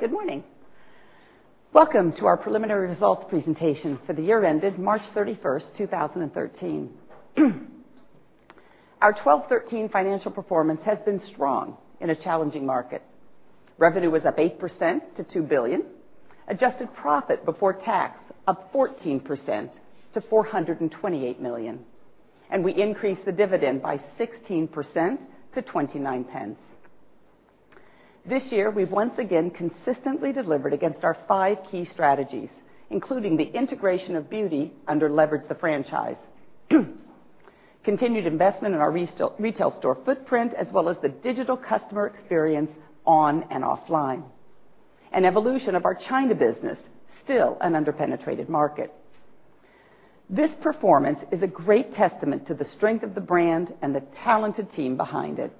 Good morning. Welcome to our preliminary results presentation for the year ended March 31st, 2013. Our '12-'13 financial performance has been strong in a challenging market. Revenue was up 8% to 2 billion. Adjusted profit before tax up 14% to 428 million, and we increased the dividend by 16% to 0.29. This year, we've once again consistently delivered against our five key strategies, including the integration of beauty under leverage the franchise, continued investment in our retail store footprint, as well as the digital customer experience on and offline, and evolution of our China business, still an under-penetrated market. This performance is a great testament to the strength of the brand and the talented team behind it.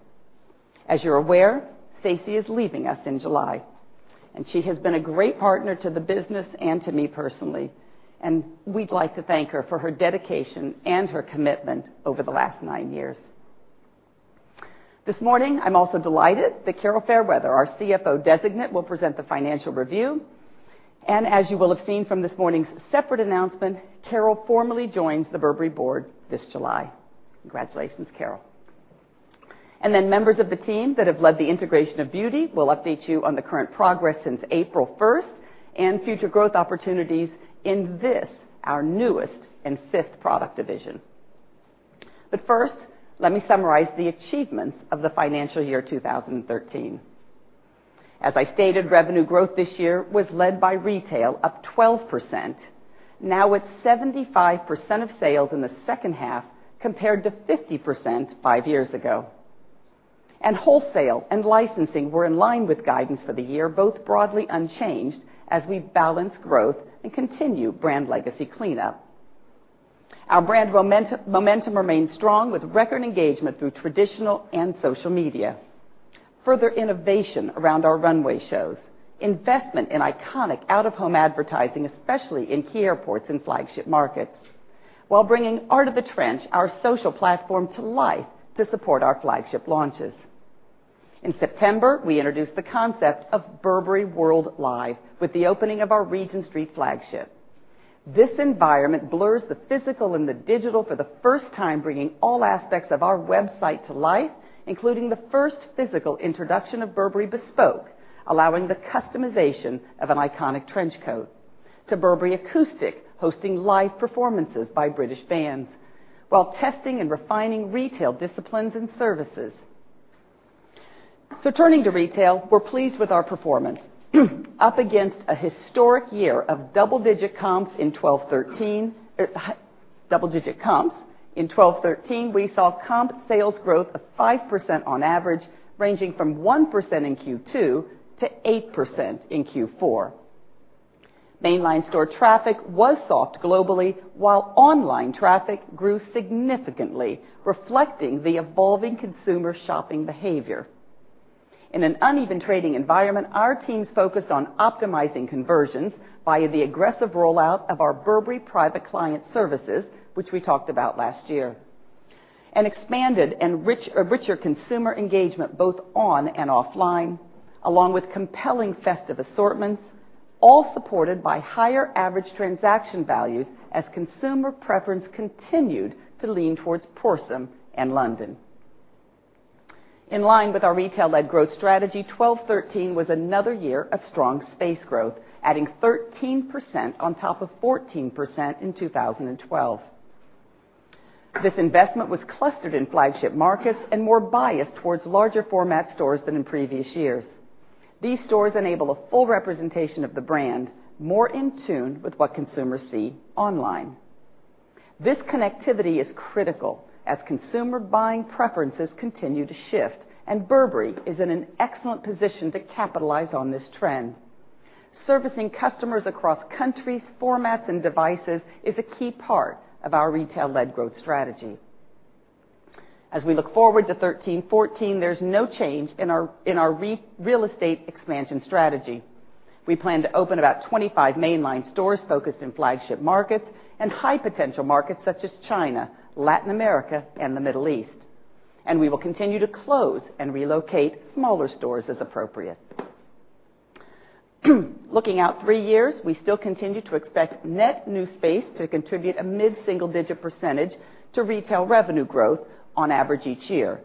As you're aware, Stacey is leaving us in July. She has been a great partner to the business and to me personally, and we'd like to thank her for her dedication and her commitment over the last nine years. This morning, I'm also delighted that Carol Fairweather, our CFO Designate, will present the financial review. As you will have seen from this morning's separate announcement, Carol formally joins the Burberry board this July. Congratulations, Carol. Members of the team that have led the integration of beauty will update you on the current progress since April 1st and future growth opportunities in this, our newest and fifth product division. First, let me summarize the achievements of the financial year 2013. As I stated, revenue growth this year was led by retail, up 12%, now at 75% of sales in the second half, compared to 50% five years ago. Wholesale and licensing were in line with guidance for the year, both broadly unchanged as we balance growth and continue brand legacy cleanup. Our brand momentum remains strong with record engagement through traditional and social media, further innovation around our runway shows, investment in iconic out-of-home advertising, especially in key airports and flagship markets, while bringing Art of the Trench, our social platform, to life to support our flagship launches. In September, we introduced the concept of Burberry World Live with the opening of our Regent Street flagship. This environment blurs the physical and the digital for the first time, bringing all aspects of our website to life, including the first physical introduction of Burberry Bespoke, allowing the customization of an iconic trench coat, to Burberry Acoustic, hosting live performances by British bands while testing and refining retail disciplines and services. Turning to retail, we're pleased with our performance. Up against a historic year of double-digit comps in '12-'13, we saw comp sales growth of 5% on average, ranging from 1% in Q2 to 8% in Q4. Mainline store traffic was soft globally, while online traffic grew significantly, reflecting the evolving consumer shopping behavior. In an uneven trading environment, our teams focused on optimizing conversions via the aggressive rollout of our Burberry private client services, which we talked about last year, an expanded and richer consumer engagement both on and offline, along with compelling festive assortments, all supported by higher average transaction values as consumer preference continued to lean towards Prorsum and Burberry London. In line with our retail-led growth strategy, 2012-2013 was another year of strong space growth, adding 13% on top of 14% in 2012. This investment was clustered in flagship markets and more biased towards larger format stores than in previous years. These stores enable a full representation of the brand, more in tune with what consumers see online. This connectivity is critical as consumer buying preferences continue to shift, and Burberry is in an excellent position to capitalize on this trend. Servicing customers across countries, formats, and devices is a key part of our retail-led growth strategy. As we look forward to 2013-2014, there's no change in our real estate expansion strategy. We plan to open about 25 mainline stores focused in flagship markets and high-potential markets such as China, Latin America, and the Middle East. We will continue to close and relocate smaller stores as appropriate. Looking out three years, we still continue to expect net new space to contribute a mid-single-digit percentage to retail revenue growth on average each year.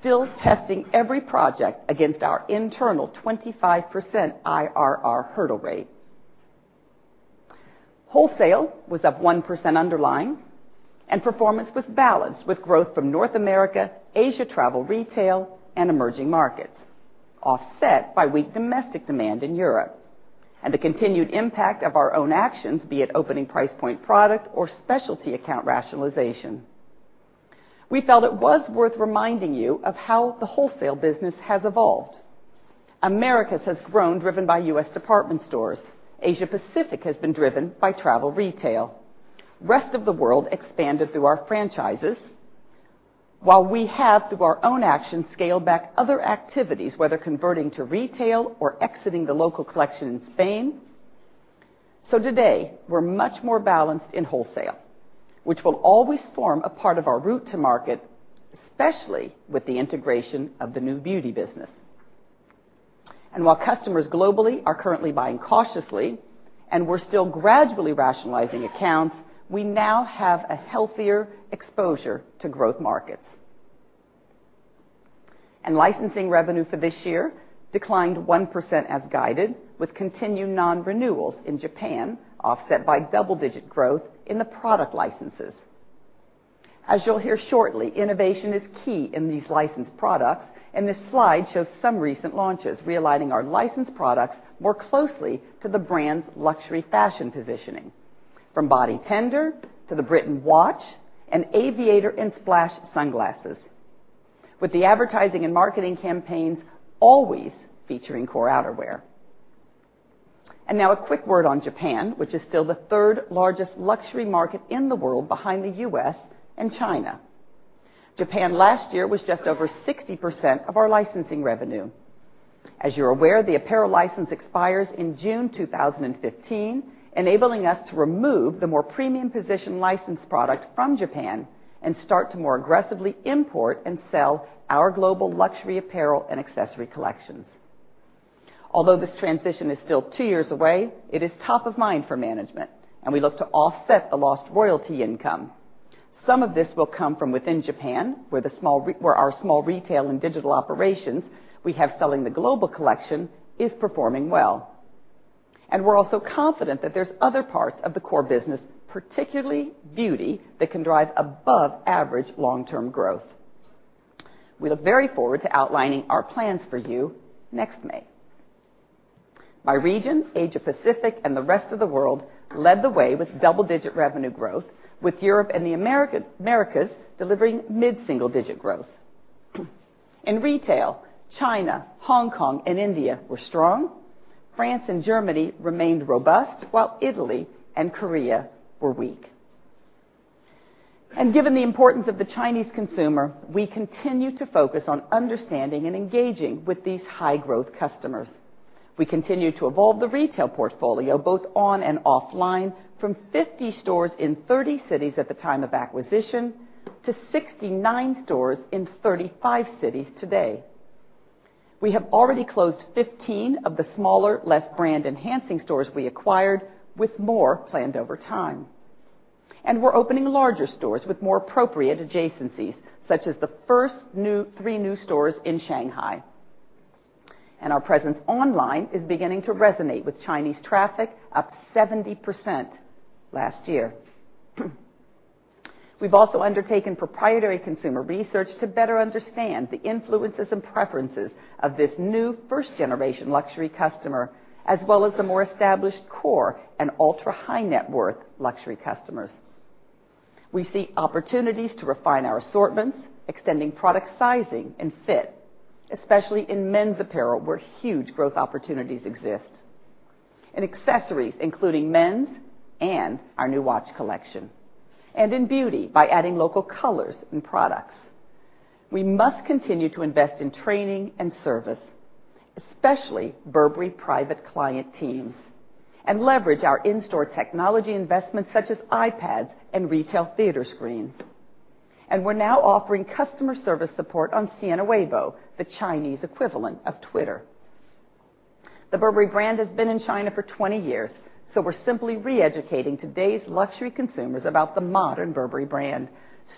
Still testing every project against our internal 25% IRR hurdle rate. Wholesale was up 1% underlying, and performance was balanced with growth from North America, Asia travel retail, and emerging markets, offset by weak domestic demand in Europe and the continued impact of our own actions, be it opening price point product or specialty account rationalization. We felt it was worth reminding you of how the wholesale business has evolved. Americas has grown, driven by U.S. department stores. Asia-Pacific has been driven by travel retail. Rest of the world expanded through our franchises. While we have, through our own actions, scaled back other activities, whether converting to retail or exiting the local collection in Spain. Today, we're much more balanced in wholesale, which will always form a part of our route to market, especially with the integration of the new beauty business. While customers globally are currently buying cautiously, and we're still gradually rationalizing accounts, we now have a healthier exposure to growth markets. Licensing revenue for this year declined 1% as guided with continued non-renewals in Japan, offset by double-digit growth in the product licenses. As you'll hear shortly, innovation is key in these licensed products, this slide shows some recent launches realigning our licensed products more closely to the brand's luxury fashion positioning, from Body Tender to The Britain watch and Aviator in Splash sunglasses. With the advertising and marketing campaigns always featuring core outerwear. Now a quick word on Japan, which is still the third-largest luxury market in the world behind the U.S. and China. Japan last year was just over 60% of our licensing revenue. As you're aware, the apparel license expires in June 2015, enabling us to remove the more premium position licensed product from Japan and start to more aggressively import and sell our global luxury apparel and accessory collections. Although this transition is still two years away, it is top of mind for management, and we look to offset the lost royalty income. Some of this will come from within Japan, where our small retail and digital operations we have selling the global collection is performing well. We're also confident that there's other parts of the core business, particularly beauty, that can drive above-average long-term growth. We look very forward to outlining our plans for you next May. By region, Asia Pacific and the rest of the world led the way with double-digit revenue growth, with Europe and the Americas delivering mid-single-digit growth. In retail, China, Hong Kong, and India were strong. France and Germany remained robust, while Italy and Korea were weak. Given the importance of the Chinese consumer, we continue to focus on understanding and engaging with these high-growth customers. We continue to evolve the retail portfolio, both on and offline, from 50 stores in 30 cities at the time of acquisition to 69 stores in 35 cities today. We have already closed 15 of the smaller, less brand-enhancing stores we acquired with more planned over time. We're opening larger stores with more appropriate adjacencies, such as the first three new stores in Shanghai. Our presence online is beginning to resonate, with Chinese traffic up 70% last year. We've also undertaken proprietary consumer research to better understand the influences and preferences of this new first-generation luxury customer, as well as the more established core and ultra-high net worth luxury customers. We see opportunities to refine our assortments, extending product sizing and fit, especially in men's apparel, where huge growth opportunities exist. In accessories, including men's and our new watch collection, and in beauty by adding local colors and products. We must continue to invest in training and service, especially Burberry private client teams, and leverage our in-store technology investments such as iPads and retail theater screens. We're now offering customer service support on Sina Weibo, the Chinese equivalent of Twitter. The Burberry brand has been in China for 20 years, so we're simply re-educating today's luxury consumers about the modern Burberry brand,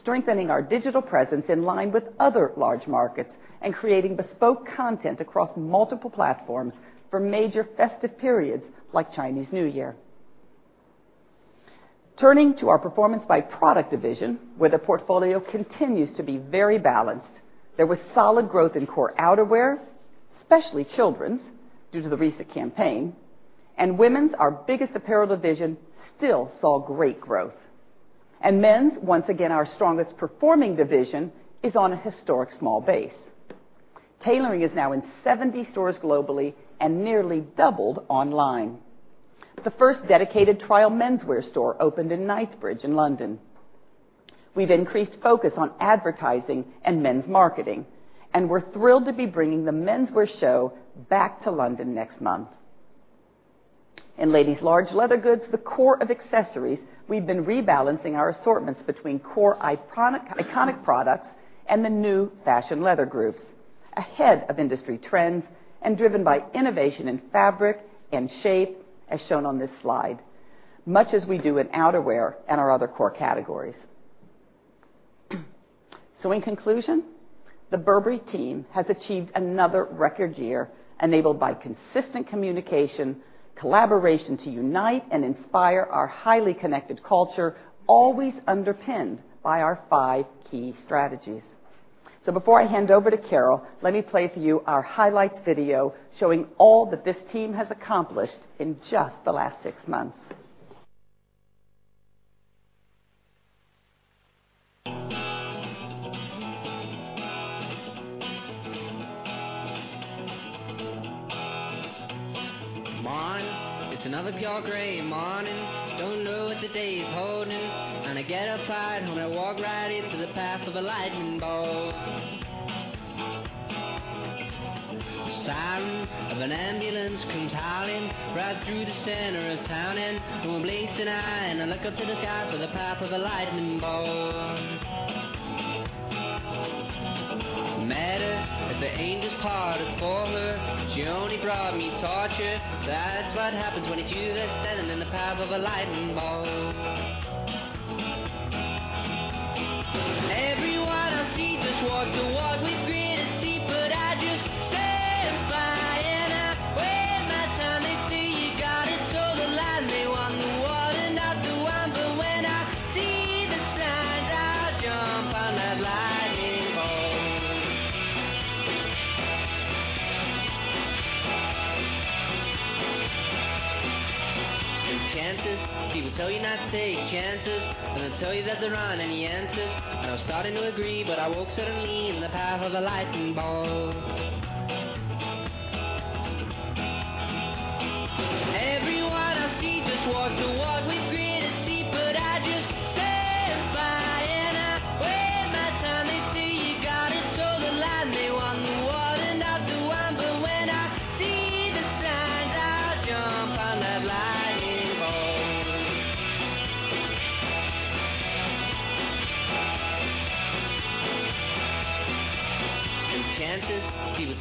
strengthening our digital presence in line with other large markets and creating bespoke content across multiple platforms for major festive periods like Chinese New Year. Turning to our performance by product division, where the portfolio continues to be very balanced. There was solid growth in core outerwear, especially children's, due to the recent campaign. Women's, our biggest apparel division, still saw great growth. Men's, once again, our strongest performing division, is on a historic small base. Tailoring is now in 70 stores globally and nearly doubled online. The first dedicated trial menswear store opened in Knightsbridge in London. We've increased focus on advertising and men's marketing, we're thrilled to be bringing the menswear show back to London next month. In ladies' large leather goods, the core of accessories, we've been rebalancing our assortments between core iconic products and the new fashion leather groups. Ahead of industry trends and driven by innovation in fabric and shape, as shown on this slide, much as we do in outerwear and our other core categories. In conclusion, the Burberry team has achieved another record year enabled by consistent communication, collaboration to unite and inspire our highly connected culture, always underpinned by our five key strategies. Before I hand over to Carol, let me play for you our highlights video showing all that this team has accomplished in just the last six months. Ma, it's another pale gray, Ma. The siren of an ambulance comes howling right through the center of town and no one blinks an eye. I look up to the sky for the path of a lightning bolt. Met her at the angel's party for her. She only brought me torture. That's what happens when you do the devil in the path of a lightning bolt. Everyone I see just walks the walk with gritted teeth. I just stand by, and I wait my time. They say you gotta toe the line. They want the water, not the wine. When I see the signs, I'll jump on that lightning bolt. The chances, people tell you not to take chances. Gonna tell you that there aren't any answers. I was starting to agree. I woke suddenly in the path of a lightning bolt.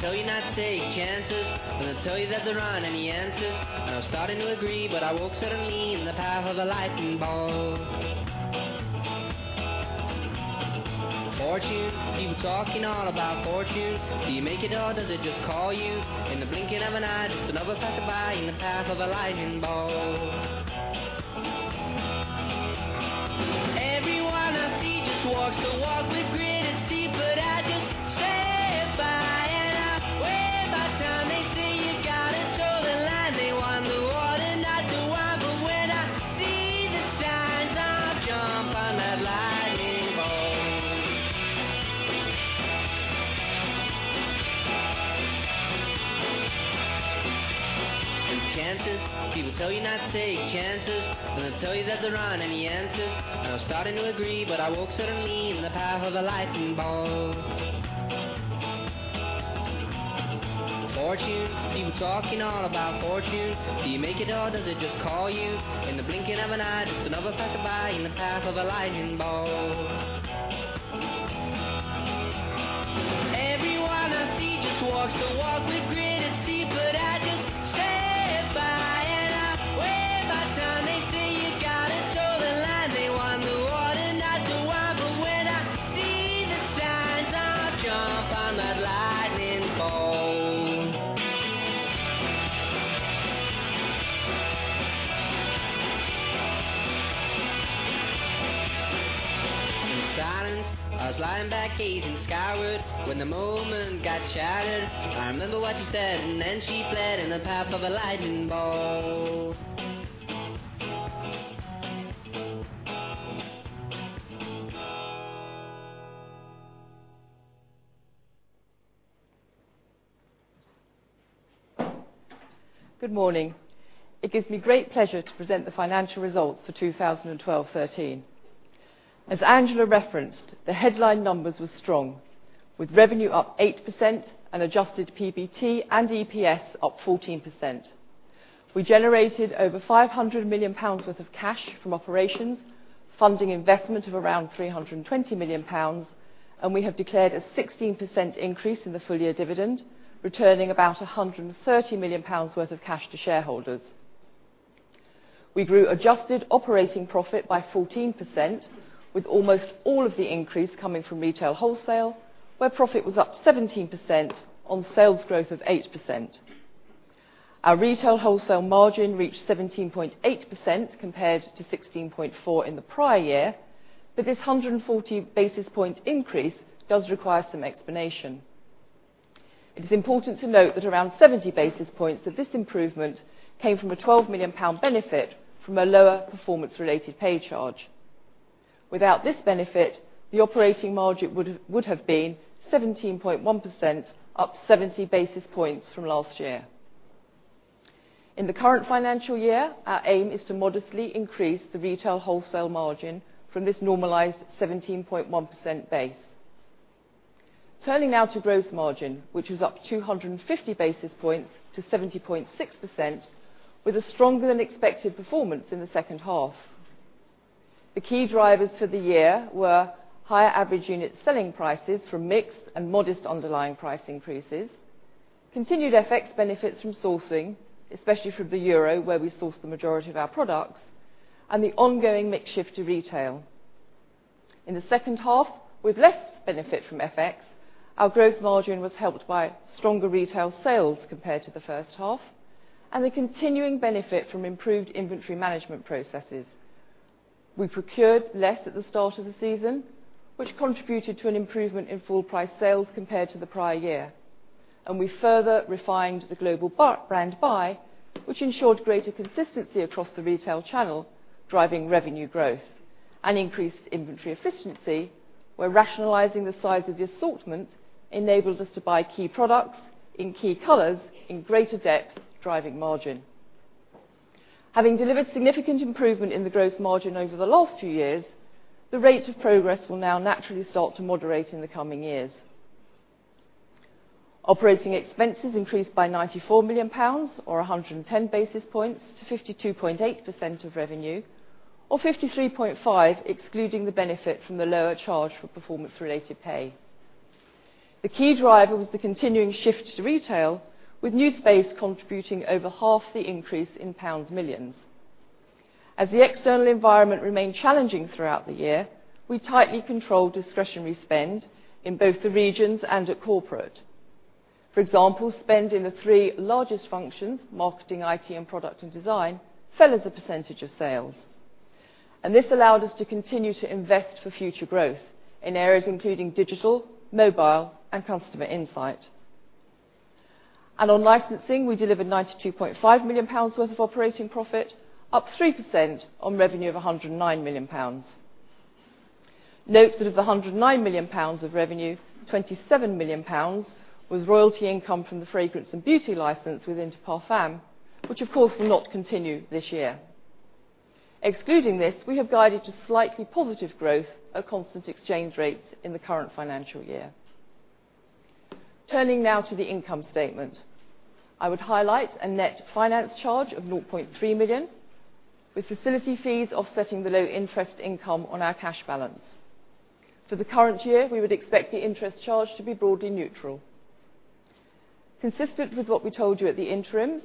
Everyone I see just walks the walk with gritted teeth. I just stand by, and I wait my time. They say you gotta toe the line. They want the water, not the wine. When I see the signs, I'll jump on that lightning bolt. The chances, people tell you not to take chances. Gonna tell you that there aren't any answers. I was starting to agree. I woke suddenly in the path of a lightning bolt. Fortune, people talking all about fortune. Do you make it, or does it just call you? In the blinking of an eye, just another passerby in the path of a lightning bolt. Everyone I see just walks the walk with gritted teeth. I just stand by, and I wait my time. They say you gotta toe the line. They want the water, not the wine. When I see the signs, I'll jump on that lightning bolt. The chances, people tell you not to take chances. Gonna tell you that there aren't any answers. I was starting to agree. I woke suddenly in the path of a lightning bolt. Fortune, people talking all about fortune. Do you make it, or does it just call you? In the blinking of an eye, just another passerby in the path of a lightning bolt. Everyone I see just walks the walk with gritted teeth. I just stand by, and I wait my time. They say you gotta toe the line. They want the water, not the wine. When I see the signs, I'll jump on that lightning bolt. In the silence, I was lying back gazing skyward when the moment got shattered. I remember what you said. She fled in the path of a lightning bolt. Good morning. It gives me great pleasure to present the financial results for 2012-13. As Angela referenced, the headline numbers were strong, with revenue up 8% and adjusted PBT and EPS up 14%. We generated over 500 million pounds worth of cash from operations, funding investment of around 320 million pounds, and we have declared a 16% increase in the full-year dividend, returning about 130 million pounds worth of cash to shareholders. We grew adjusted operating profit by 14%, with almost all of the increase coming from retail wholesale, where profit was up 17% on sales growth of 8%. Our retail wholesale margin reached 17.8% compared to 16.4% in the prior year, this 140 basis point increase does require some explanation. It is important to note that around 70 basis points of this improvement came from a 12 million pound benefit from a lower performance-related pay charge. Without this benefit, the operating margin would have been 17.1%, up 70 basis points from last year. In the current financial year, our aim is to modestly increase the retail wholesale margin from this normalized 17.1% base. Turning now to gross margin, which was up 250 basis points to 70.6%, with a stronger-than-expected performance in the second half. The key drivers for the year were higher average unit selling prices from mixed and modest underlying price increases, continued FX benefits from sourcing, especially from the euro, where we source the majority of our products, and the ongoing mix shift to retail. In the second half, with less benefit from FX, our gross margin was helped by stronger retail sales compared to the first half and the continuing benefit from improved inventory management processes. We procured less at the start of the season, which contributed to an improvement in full price sales compared to the prior year. We further refined the global brand buy, which ensured greater consistency across the retail channel, driving revenue growth and increased inventory efficiency, where rationalizing the size of the assortment enabled us to buy key products in key colors in greater depth, driving margin. Having delivered significant improvement in the gross margin over the last two years, the rate of progress will now naturally start to moderate in the coming years. Operating expenses increased by 94 million pounds, or 110 basis points, to 52.8% of revenue, or 53.5% excluding the benefit from the lower charge for performance-related pay. The key driver was the continuing shift to retail, with new space contributing over half the increase in pounds millions. As the external environment remained challenging throughout the year, we tightly controlled discretionary spend in both the regions and at corporate. For example, spend in the three largest functions, marketing, IT, and product and design, fell as a percentage of sales. This allowed us to continue to invest for future growth in areas including digital, mobile, and customer insight. On licensing, we delivered GBP 92.5 million worth of operating profit, up 3% on revenue of GBP 109 million. Note that of the GBP 109 million of revenue, GBP 27 million was royalty income from the fragrance and beauty license with Inter Parfums, which of course will not continue this year. Excluding this, we have guided to slightly positive growth at constant exchange rates in the current financial year. Turning now to the income statement. I would highlight a net finance charge of 0.3 million, with facility fees offsetting the low interest income on our cash balance. For the current year, we would expect the interest charge to be broadly neutral. Consistent with what we told you at the interim,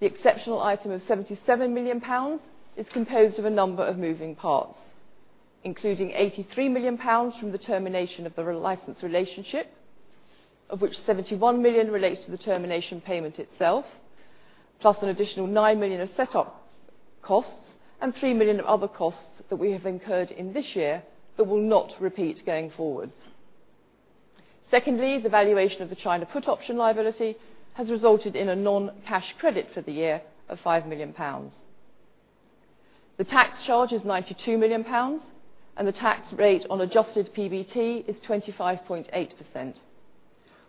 the exceptional item of 77 million pounds is composed of a number of moving parts, including 83 million pounds from the termination of the license relationship, of which 71 million relates to the termination payment itself, plus an additional 9 million of setup costs and 3 million of other costs that we have incurred in this year that will not repeat going forward. Secondly, the valuation of the China put option liability has resulted in a non-cash credit for the year of 5 million pounds. The tax charge is 92 million pounds, and the tax rate on adjusted PBT is 25.8%.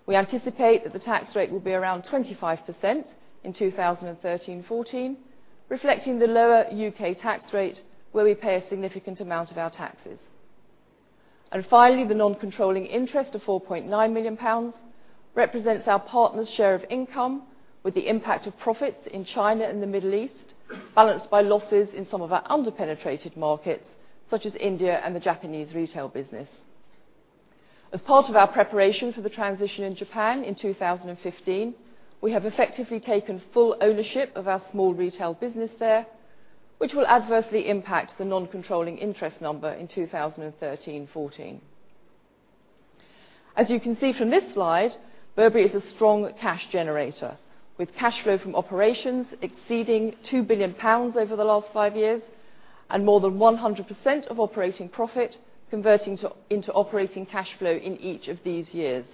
We anticipate that the tax rate will be around 25% in 2013-14, reflecting the lower U.K. tax rate, where we pay a significant amount of our taxes. Finally, the non-controlling interest of 4.9 million pounds represents our partners' share of income, with the impact of profits in China and the Middle East balanced by losses in some of our under-penetrated markets such as India and the Japanese retail business. As part of our preparation for the transition in Japan in 2015, we have effectively taken full ownership of our small retail business there, which will adversely impact the non-controlling interest number in 2013-14. As you can see from this slide, Burberry is a strong cash generator, with cash flow from operations exceeding 2 billion pounds over the last five years, and more than 100% of operating profit converting into operating cash flow in each of these years.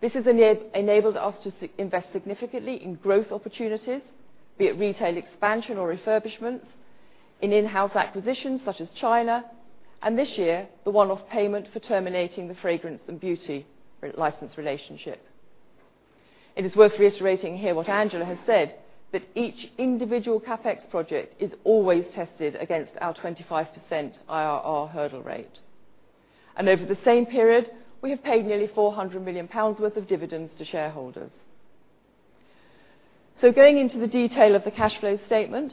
This has enabled us to invest significantly in growth opportunities, be it retail expansion or refurbishment, in in-house acquisitions such as China, and this year, the one-off payment for terminating the fragrance and beauty license relationship. It is worth reiterating here what Angela has said, that each individual CapEx project is always tested against our 25% IRR hurdle rate. Over the same period, we have paid nearly 400 million pounds worth of dividends to shareholders. Going into the detail of the cash flow statement,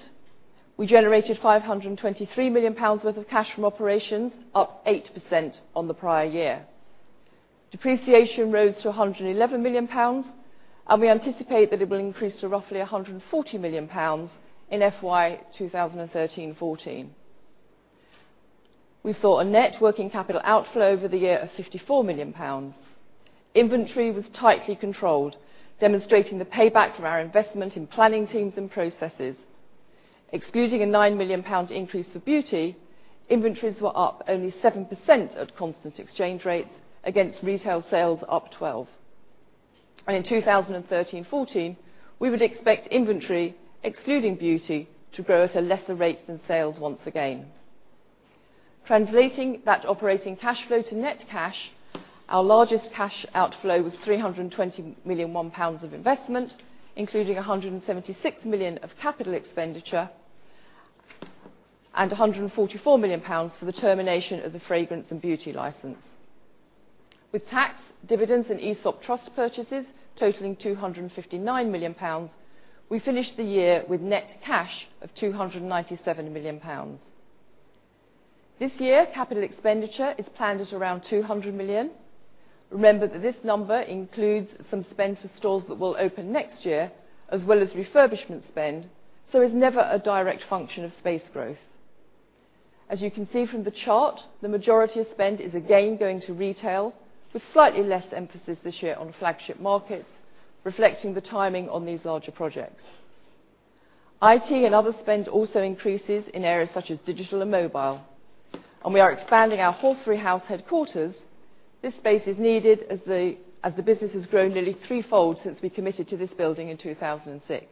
we generated 523 million pounds worth of cash from operations, up 8% on the prior year. Depreciation rose to 111 million pounds, and we anticipate that it will increase to roughly 140 million pounds in FY 2013-14. We saw a net working capital outflow over the year of 54 million pounds. Inventory was tightly controlled, demonstrating the payback from our investment in planning teams and processes. Excluding a 9 million pound increase for beauty, inventories were up only 7% at constant exchange rates against retail sales up 12%. In 2013-14, we would expect inventory, excluding beauty, to grow at a lesser rate than sales once again. Translating that operating cash flow to net cash, our largest cash outflow was GBP 321 million of investment, including GBP 176 million of capital expenditure and GBP 144 million for the termination of the fragrance and beauty license. With tax, dividends, and ESOP trust purchases totaling 259 million pounds, we finished the year with net cash of 297 million pounds. This year, capital expenditure is planned at around 200 million. Remember that this number includes some spend for stores that will open next year, as well as refurbishment spend, so is never a direct function of space growth. As you can see from the chart, the majority of spend is again going to retail, with slightly less emphasis this year on flagship markets, reflecting the timing on these larger projects. IT and other spend also increases in areas such as digital and mobile, and we are expanding our Horseferry Road headquarters. This space is needed as the business has grown nearly threefold since we committed to this building in 2006.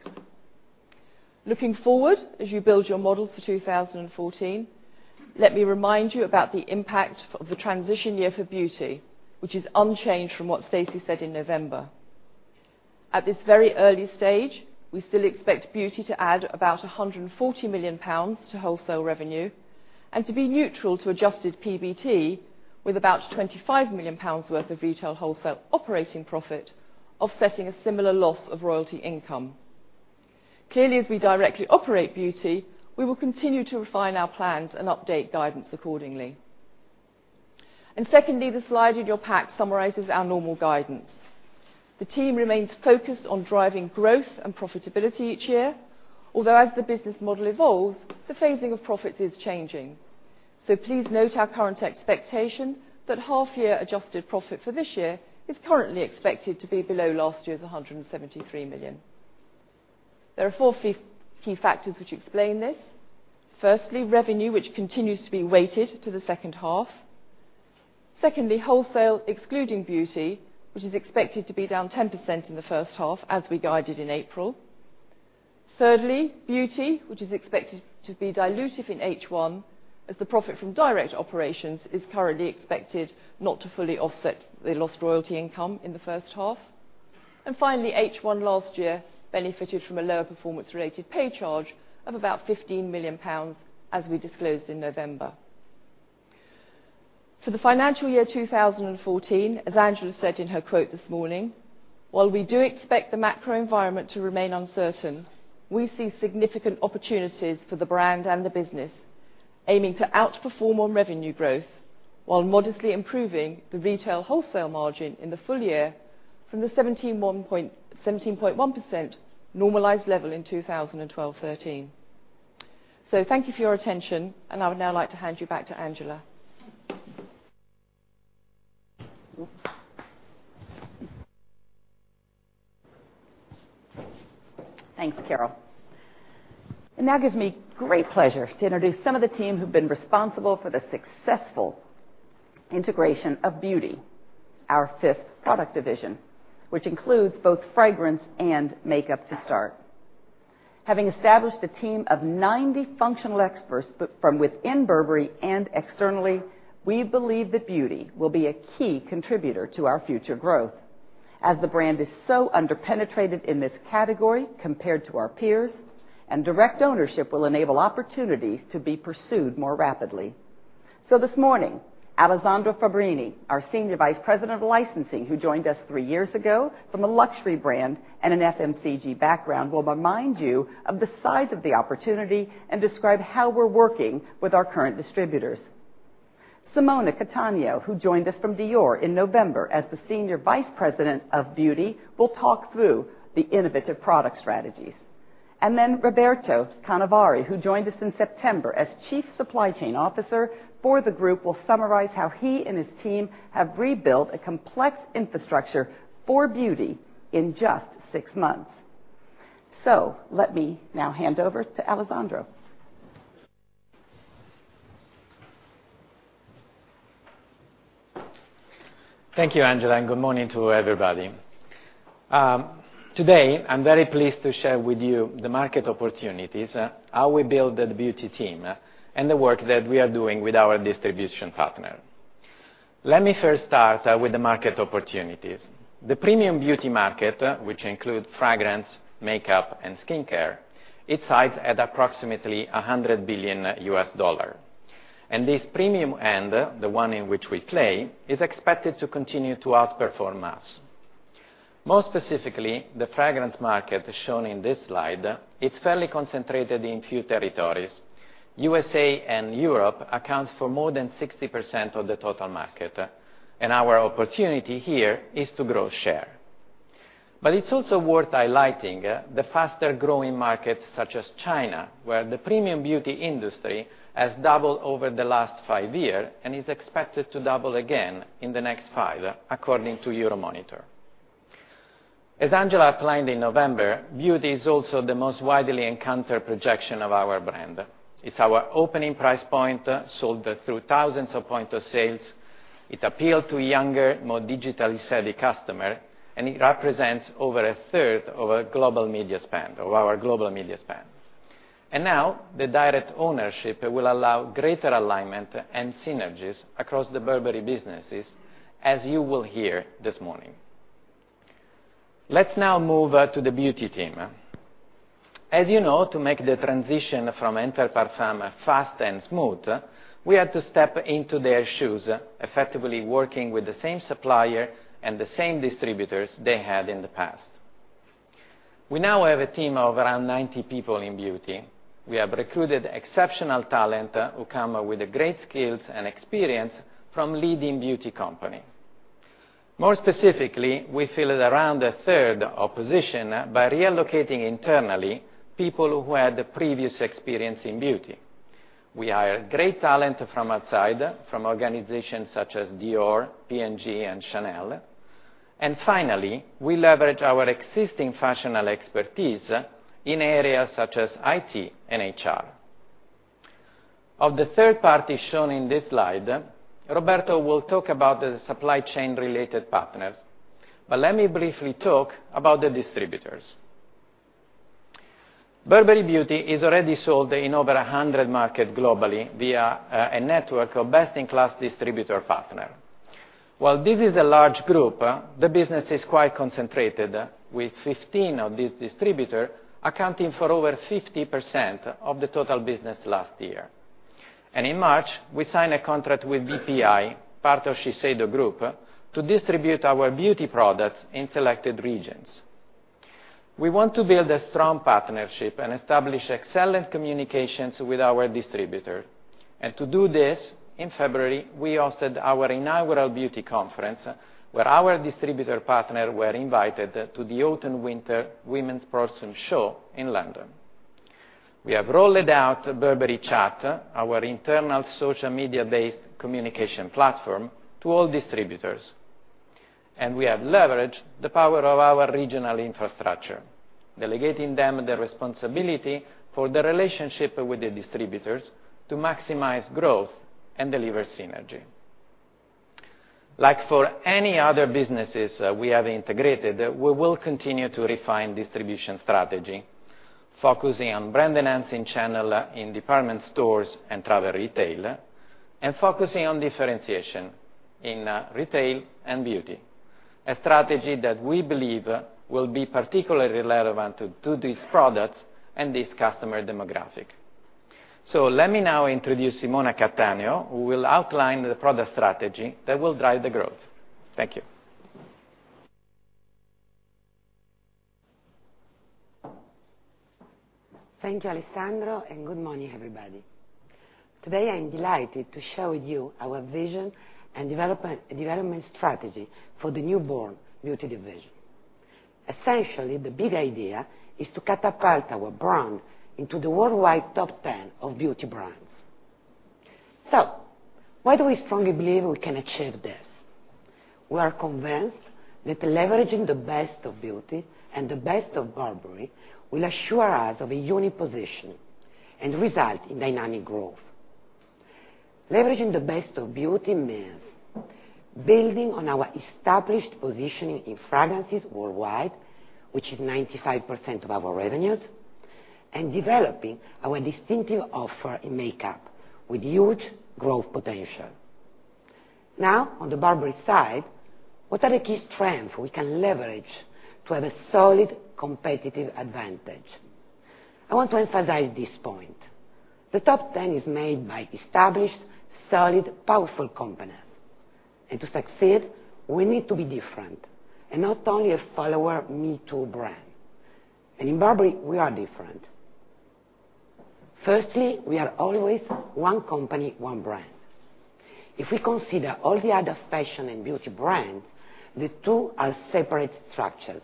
Looking forward, as you build your models for 2014, let me remind you about the impact of the transition year for beauty, which is unchanged from what Stacey said in November. At this very early stage, we still expect beauty to add about 140 million pounds to wholesale revenue and to be neutral to adjusted PBT with about 25 million pounds worth of retail wholesale operating profit, offsetting a similar loss of royalty income. Clearly, as we directly operate beauty, we will continue to refine our plans and update guidance accordingly. Secondly, the slide in your pack summarizes our normal guidance. The team remains focused on driving growth and profitability each year, although as the business model evolves, the phasing of profits is changing. Please note our current expectation that half year adjusted profit for this year is currently expected to be below last year's 173 million. There are four key factors which explain this. Firstly, revenue, which continues to be weighted to the second half. Secondly, wholesale excluding beauty, which is expected to be down 10% in the first half as we guided in April. Thirdly, beauty, which is expected to be dilutive in H1 as the profit from direct operations is currently expected not to fully offset the lost royalty income in the first half. Finally, H1 last year benefited from a lower performance-related pay charge of about 15 million pounds, as we disclosed in November. For the financial year 2014, as Angela said in her quote this morning, while we do expect the macro environment to remain uncertain, we see significant opportunities for the brand and the business, aiming to outperform on revenue growth while modestly improving the retail wholesale margin in the full year from the 17.1% normalized level in 2012, 2013. Thank you for your attention, and I would now like to hand you back to Angela. Thanks, Carol. Now it gives me great pleasure to introduce some of the team who've been responsible for the successful integration of Beauty, our fifth product division, which includes both fragrance and makeup to start. Having established a team of 90 functional experts from within Burberry and externally, we believe that Beauty will be a key contributor to our future growth as the brand is so under-penetrated in this category compared to our peers, and direct ownership will enable opportunities to be pursued more rapidly. This morning, Alessandro Fabbrini, our Senior Vice President of Licensing, who joined us three years ago from a luxury brand and an FMCG background, will remind you of the size of the opportunity and describe how we're working with our current distributors. Simona Cattaneo, who joined us from Dior in November as the Senior Vice President of Beauty, will talk through the innovative product strategies. Roberto Canevari, who joined us in September as Chief Supply Chain Officer for the group, will summarize how he and his team have rebuilt a complex infrastructure for Beauty in just six months. Let me now hand over to Alessandro. Thank you, Angela, and good morning to everybody. Today, I am very pleased to share with you the market opportunities, how we build the Beauty team, and the work that we are doing with our distribution partner. Let me first start with the market opportunities. The premium beauty market, which includes fragrance, makeup, and skincare, it is sized at approximately $100 billion. This premium end, the one in which we play, is expected to continue to outperform us. More specifically, the fragrance market shown in this slide, it is fairly concentrated in few territories. USA and Europe accounts for more than 60% of the total market, and our opportunity here is to grow share. It is also worth highlighting the faster-growing markets such as China, where the premium beauty industry has doubled over the last five years and is expected to double again in the next five years, according to Euromonitor. As Angela outlined in November, Beauty is also the most widely encountered projection of our brand. It is our opening price point sold through thousands of point of sales. It appeal to younger, more digitally savvy customer, and it represents over a third of our global media spend. The direct ownership will allow greater alignment and synergies across the Burberry businesses, as you will hear this morning. Let us now move to the Beauty team. As you know, to make the transition from Inter Parfums fast and smooth, we had to step into their shoes, effectively working with the same supplier and the same distributors they had in the past. We now have a team of around 90 people in Beauty. We have recruited exceptional talent who come with great skills and experience from leading beauty company. More specifically, we fill around a third opposition by reallocating internally people who had previous experience in beauty. We hire great talent from outside, from organizations such as Dior, P&G, and Chanel. Finally, we leverage our existing functional expertise in areas such as IT and HR. Of the third party shown in this slide, Roberto will talk about the supply chain related partners, but let me briefly talk about the distributors. Burberry Beauty is already sold in over 100 markets globally via a network of best-in-class distributor partner. While this is a large group, the business is quite concentrated, with 15 of these distributors accounting for over 50% of the total business last year. In March, we signed a contract with Beauté Prestige International, part of Shiseido Group, to distribute our beauty products in selected regions. We want to build a strong partnership and establish excellent communications with our distributors. To do this, in February, we hosted our inaugural beauty conference where our distributor partners were invited to the autumn/winter Women's Prorsum Show in London. We have rolled out Burberry Chat, our internal social media-based communication platform, to all distributors. We have leveraged the power of our regional infrastructure, delegating them the responsibility for the relationship with the distributors to maximize growth and deliver synergy. Like for any other businesses we have integrated, we will continue to refine distribution strategy, focusing on brand enhancing channel in department stores and travel retail, and focusing on differentiation in retail and beauty. A strategy that we believe will be particularly relevant to these products and this customer demographic. Let me now introduce Simona Cattaneo, who will outline the product strategy that will drive the growth. Thank you. Thank you, Alessandro, good morning, everybody. Today, I'm delighted to share with you our vision and development strategy for the newborn beauty division. Essentially, the big idea is to catapult our brand into the worldwide top 10 of beauty brands. Why do we strongly believe we can achieve this? We are convinced that leveraging the best of beauty and the best of Burberry will assure us of a unique position and result in dynamic growth. Leveraging the best of beauty means building on our established positioning in fragrances worldwide, which is 95% of our revenues, and developing our distinctive offer in makeup with huge growth potential. On the Burberry side, what are the key strengths we can leverage to have a solid competitive advantage? I want to emphasize this point. The top 10 is made by established, solid, powerful companies. To succeed, we need to be different and not only a follower me-too brand. In Burberry, we are different. Firstly, we are always one company, one brand. If we consider all the other fashion and beauty brands, the two are separate structures.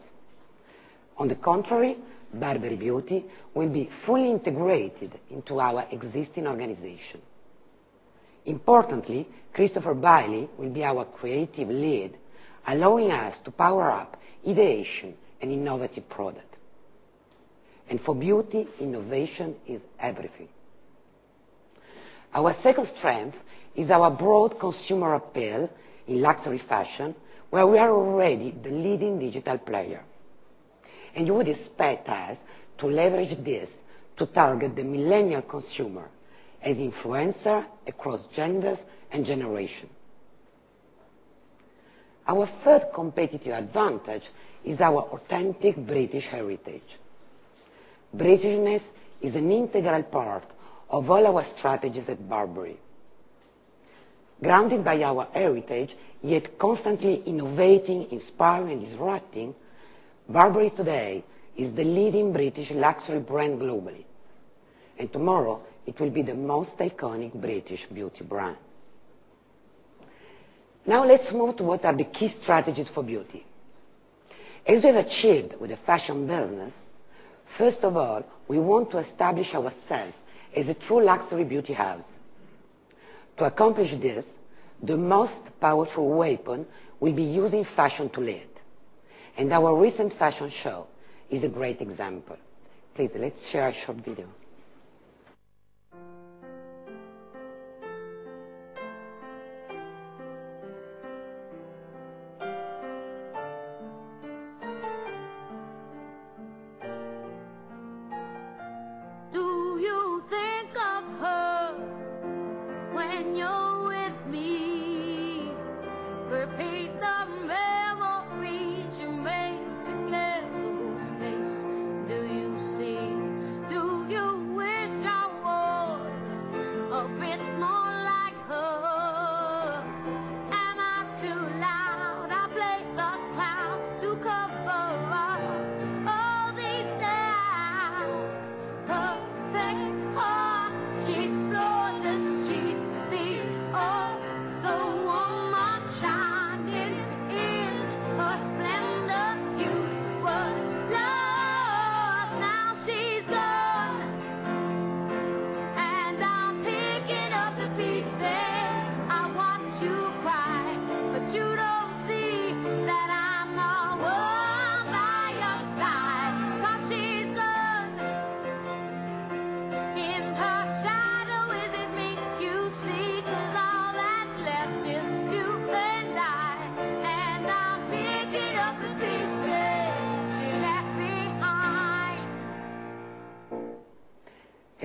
On the contrary, Burberry Beauty will be fully integrated into our existing organization. Importantly, Christopher Bailey will be our creative lead, allowing us to power up innovation and innovative product. For beauty, innovation is everything. Our second strength is our broad consumer appeal in luxury fashion, where we are already the leading digital player. You would expect us to leverage this to target the millennial consumer as influencer across genders and generation. Our third competitive advantage is our authentic British heritage. Britishness is an integral part of all our strategies at Burberry. Grounded by our heritage, yet constantly innovating, inspiring, disrupting, Burberry today is the leading British luxury brand globally. Tomorrow, it will be the most iconic British beauty brand. Let's move to what are the key strategies for beauty. As we have achieved with the fashion business, first of all, we want to establish ourselves as a true luxury beauty house. To accomplish this, the most powerful weapon will be using fashion to lead. Our recent fashion show is a great example. Please, let's share a short video.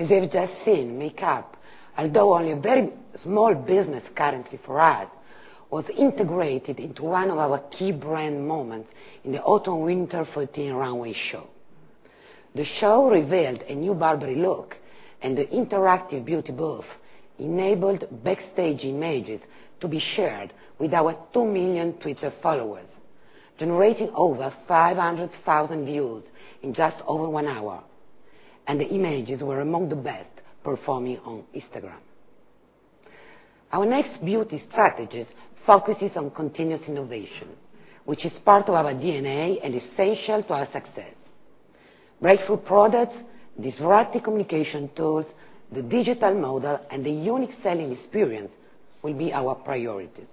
Do you think of her when you're with me? Repeat the memories you made together. Whose face do you see? Do you wish I was a bit more like her? Am I too loud? I play the clown to cover up all these doubts. Perfect heart. She's flawless, she's the ultimate. Shining in her splendor, you were lost. Now she's gone, and I'm picking up the pieces. I watch you cry, but you don't see that I'm the one by your side. 'Cause she's gone As you've just seen, makeup, although only a very small business currently for us, was integrated into one of our key brand moments in the autumn/winter 2014 runway show. The show revealed a new Burberry look, and the interactive beauty booth enabled backstage images to be shared with our 2 million Twitter followers, generating over 500,000 views in just over one hour. The images were among the best performing on Instagram. Our next beauty strategies focuses on continuous innovation, which is part of our DNA and essential to our success. Breakthrough products, disruptive communication tools, the digital model, and a unique selling experience will be our priorities.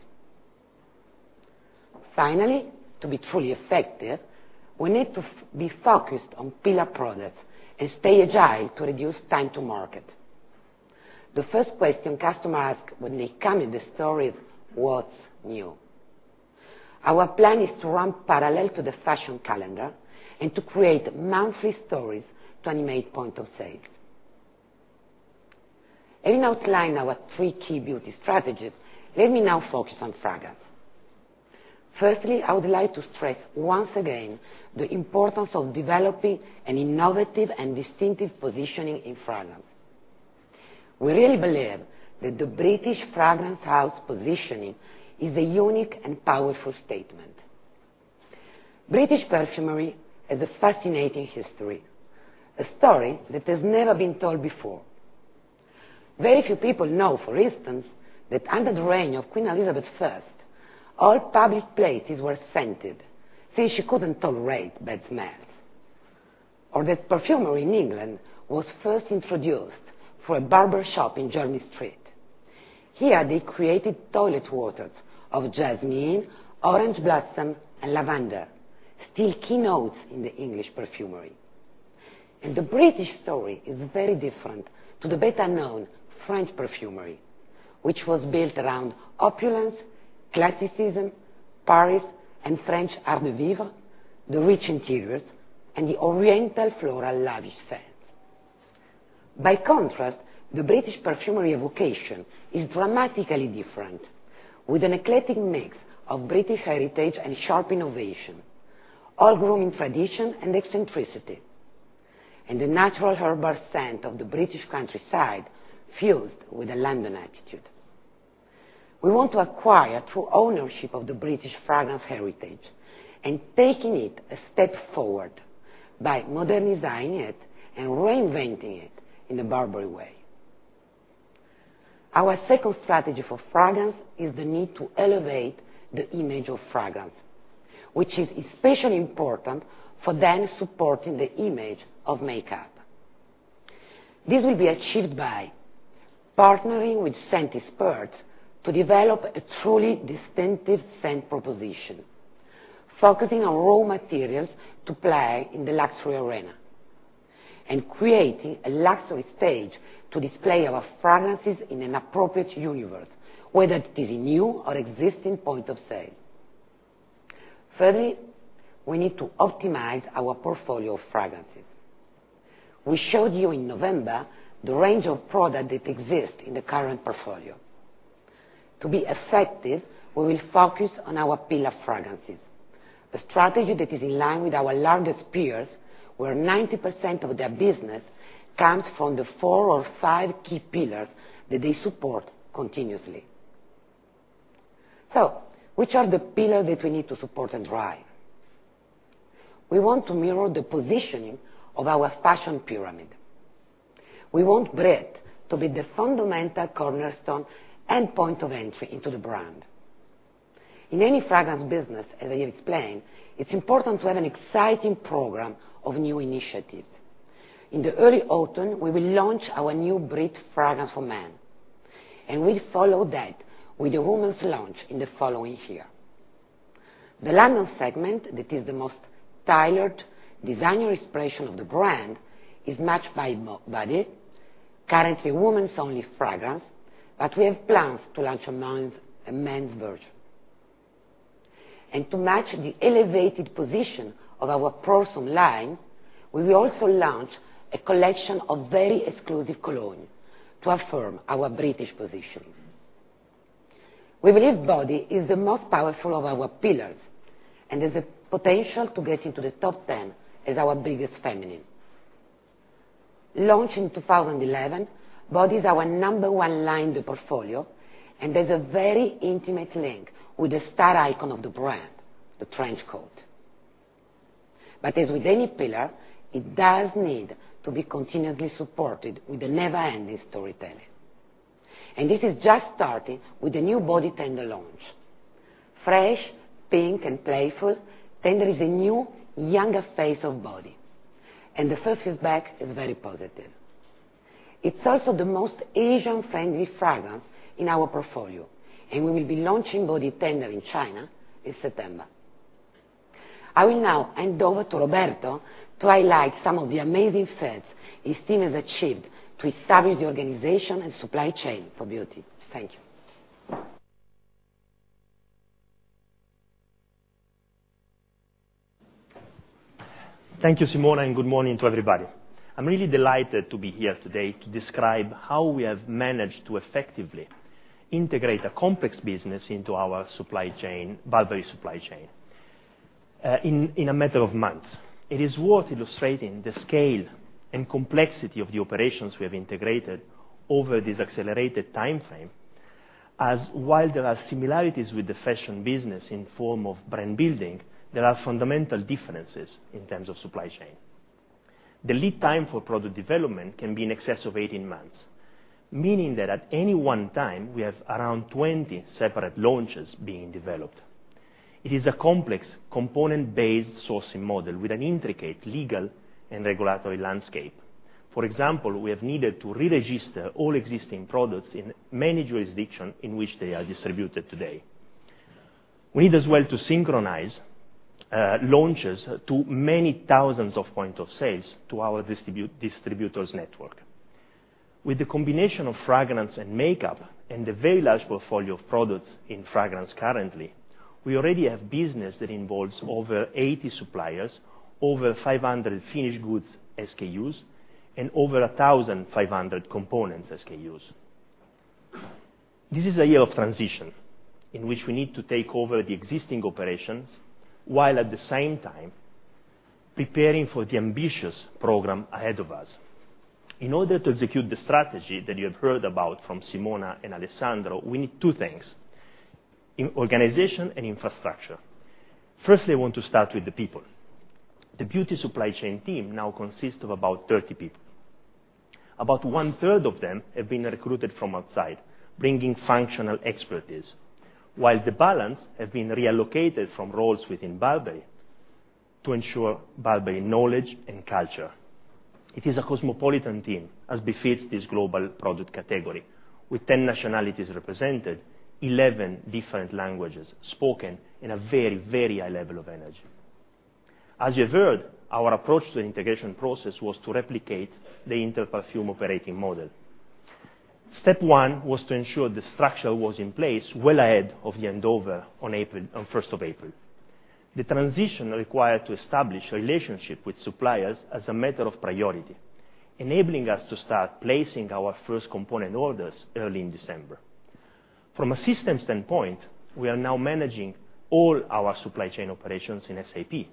Finally, to be truly effective, we need to be focused on pillar products and stay agile to reduce time to market. The first question customer ask when they come in the store is, "What's new?" Our plan is to run parallel to the fashion calendar and to create monthly stories to animate point of sales. Having outlined our three key beauty strategies, let me now focus on fragrance. Firstly, I would like to stress once again the importance of developing an innovative and distinctive positioning in fragrance. We really believe that the British fragrance house positioning is a unique and powerful statement. British perfumery has a fascinating history, a story that has never been told before. Very few people know, for instance, that under the reign of Queen Elizabeth I, all public places were scented, since she couldn't tolerate bad smells. That perfumery in England was first introduced through a barber shop in Jermyn Street. Here, they created toilet waters of jasmine, orange blossom, and lavender, still key notes in the English perfumery. The British story is very different to the better-known French perfumery, which was built around opulence, classicism, Paris, and French art de vivre, the rich interiors, and the Oriental floral lavish scents. By contrast, the British perfumery evocation is dramatically different, with an eclectic mix of British heritage and sharp innovation, homegrown in tradition and eccentricity, and the natural herbal scent of the British countryside fused with a London attitude. We want to acquire true ownership of the British fragrance heritage and taking it a step forward by modernizing it and reinventing it in the Burberry way. Our second strategy for fragrance is the need to elevate the image of fragrance, which is especially important for then supporting the image of makeup. This will be achieved by partnering with scent experts to develop a truly distinctive scent proposition, focusing on raw materials to play in the luxury arena, and creating a luxury stage to display our fragrances in an appropriate universe, whether it is a new or existing point of sale. Thirdly, we need to optimize our portfolio of fragrances. We showed you in November the range of product that exists in the current portfolio. To be effective, we will focus on our pillar fragrances, a strategy that is in line with our largest peers, where 90% of their business comes from the four or five key pillars that they support continuously. Which are the pillars that we need to support and drive? We want to mirror the positioning of our fashion pyramid. We want Brit to be the fundamental cornerstone and point of entry into the brand. In any fragrance business, as I have explained, it's important to have an exciting program of new initiatives. In the early autumn, we will launch our new Brit fragrance for men, and we'll follow that with the women's launch in the following year. The London segment that is the most tailored designer expression of the brand is matched by Body, currently a women's only fragrance, but we have plans to launch a men's version. To match the elevated position of our perfume line, we will also launch a collection of very exclusive cologne to affirm our British position. We believe Body is the most powerful of our pillars and has the potential to get into the top 10 as our biggest feminine. Launched in 2011, Body is our number 1 line in the portfolio and has a very intimate link with the star icon of the brand, the trench coat. As with any pillar, it does need to be continuously supported with the never-ending storytelling. This is just starting with the new Body Tender launch. Fresh, pink, and playful, Tender is a new, younger face of Body, and the first feedback is very positive. It's also the most Asian-friendly fragrance in our portfolio, and we will be launching Body Tender in China in September. I will now hand over to Roberto to highlight some of the amazing feats his team has achieved to establish the organization and supply chain for beauty. Thank you. Thank you, Simona, and good morning to everybody. I am really delighted to be here today to describe how we have managed to effectively integrate a complex business into our Burberry supply chain in a matter of months. It is worth illustrating the scale and complexity of the operations we have integrated over this accelerated time frame, as while there are similarities with the fashion business in form of brand building, there are fundamental differences in terms of supply chain. The lead time for product development can be in excess of 18 months, meaning that at any one time, we have around 20 separate launches being developed. It is a complex component-based sourcing model with an intricate legal and regulatory landscape. For example, we have needed to re-register all existing products in many jurisdictions in which they are distributed today. We need as well to synchronize launches to many thousands of point of sales to our distributors network. With the combination of fragrance and makeup and the very large portfolio of products in fragrance currently, we already have business that involves over 80 suppliers, over 500 finished goods SKUs, and over 1,500 components SKUs. This is a year of transition in which we need to take over the existing operations, while at the same time preparing for the ambitious program ahead of us. In order to execute the strategy that you have heard about from Simona and Alessandro, we need two things: organization and infrastructure. Firstly, I want to start with the people. The beauty supply chain team now consists of about 30 people. About one-third of them have been recruited from outside, bringing functional expertise, while the balance has been reallocated from roles within Burberry to ensure Burberry knowledge and culture. It is a cosmopolitan team, as befits this global product category, with 10 nationalities represented, 11 different languages spoken, and a very high level of energy. As you heard, our approach to the integration process was to replicate the Inter Parfums operating model. Step 1 was to ensure the structure was in place well ahead of the handover on 1st of April. The transition required to establish a relationship with suppliers as a matter of priority, enabling us to start placing our first component orders early in December. From a systems standpoint, we are now managing all our supply chain operations in SAP.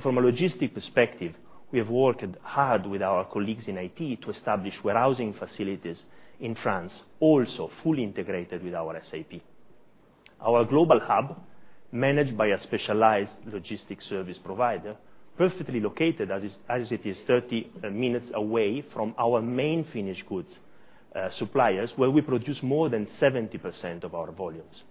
From a logistics perspective, we have worked hard with our colleagues in IT to establish warehousing facilities in France, also fully integrated with our SAP. Our global hub, managed by a specialized logistics service provider, perfectly located as it is 30 minutes away from our main finished goods suppliers, where we produce more than 70% of our volumes.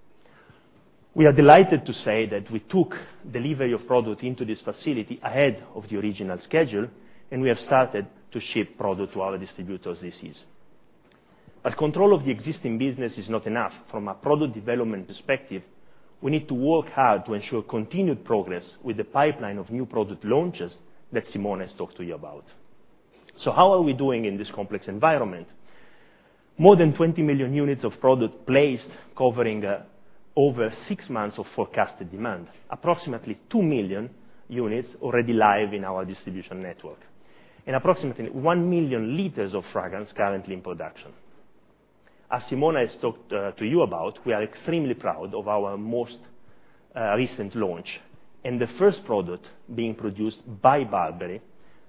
We are delighted to say that we took delivery of product into this facility ahead of the original schedule, and we have started to ship product to our distributors this season. Control of the existing business is not enough. From a product development perspective, we need to work hard to ensure continued progress with the pipeline of new product launches that Simona has talked to you about. How are we doing in this complex environment? More than 20 million units of product placed, covering over six months of forecasted demand. Approximately 2 million units already live in our distribution network, and approximately 1 million liters of fragrance currently in production. As Simona has talked to you about, we are extremely proud of our most recent launch and the first product being produced by Burberry,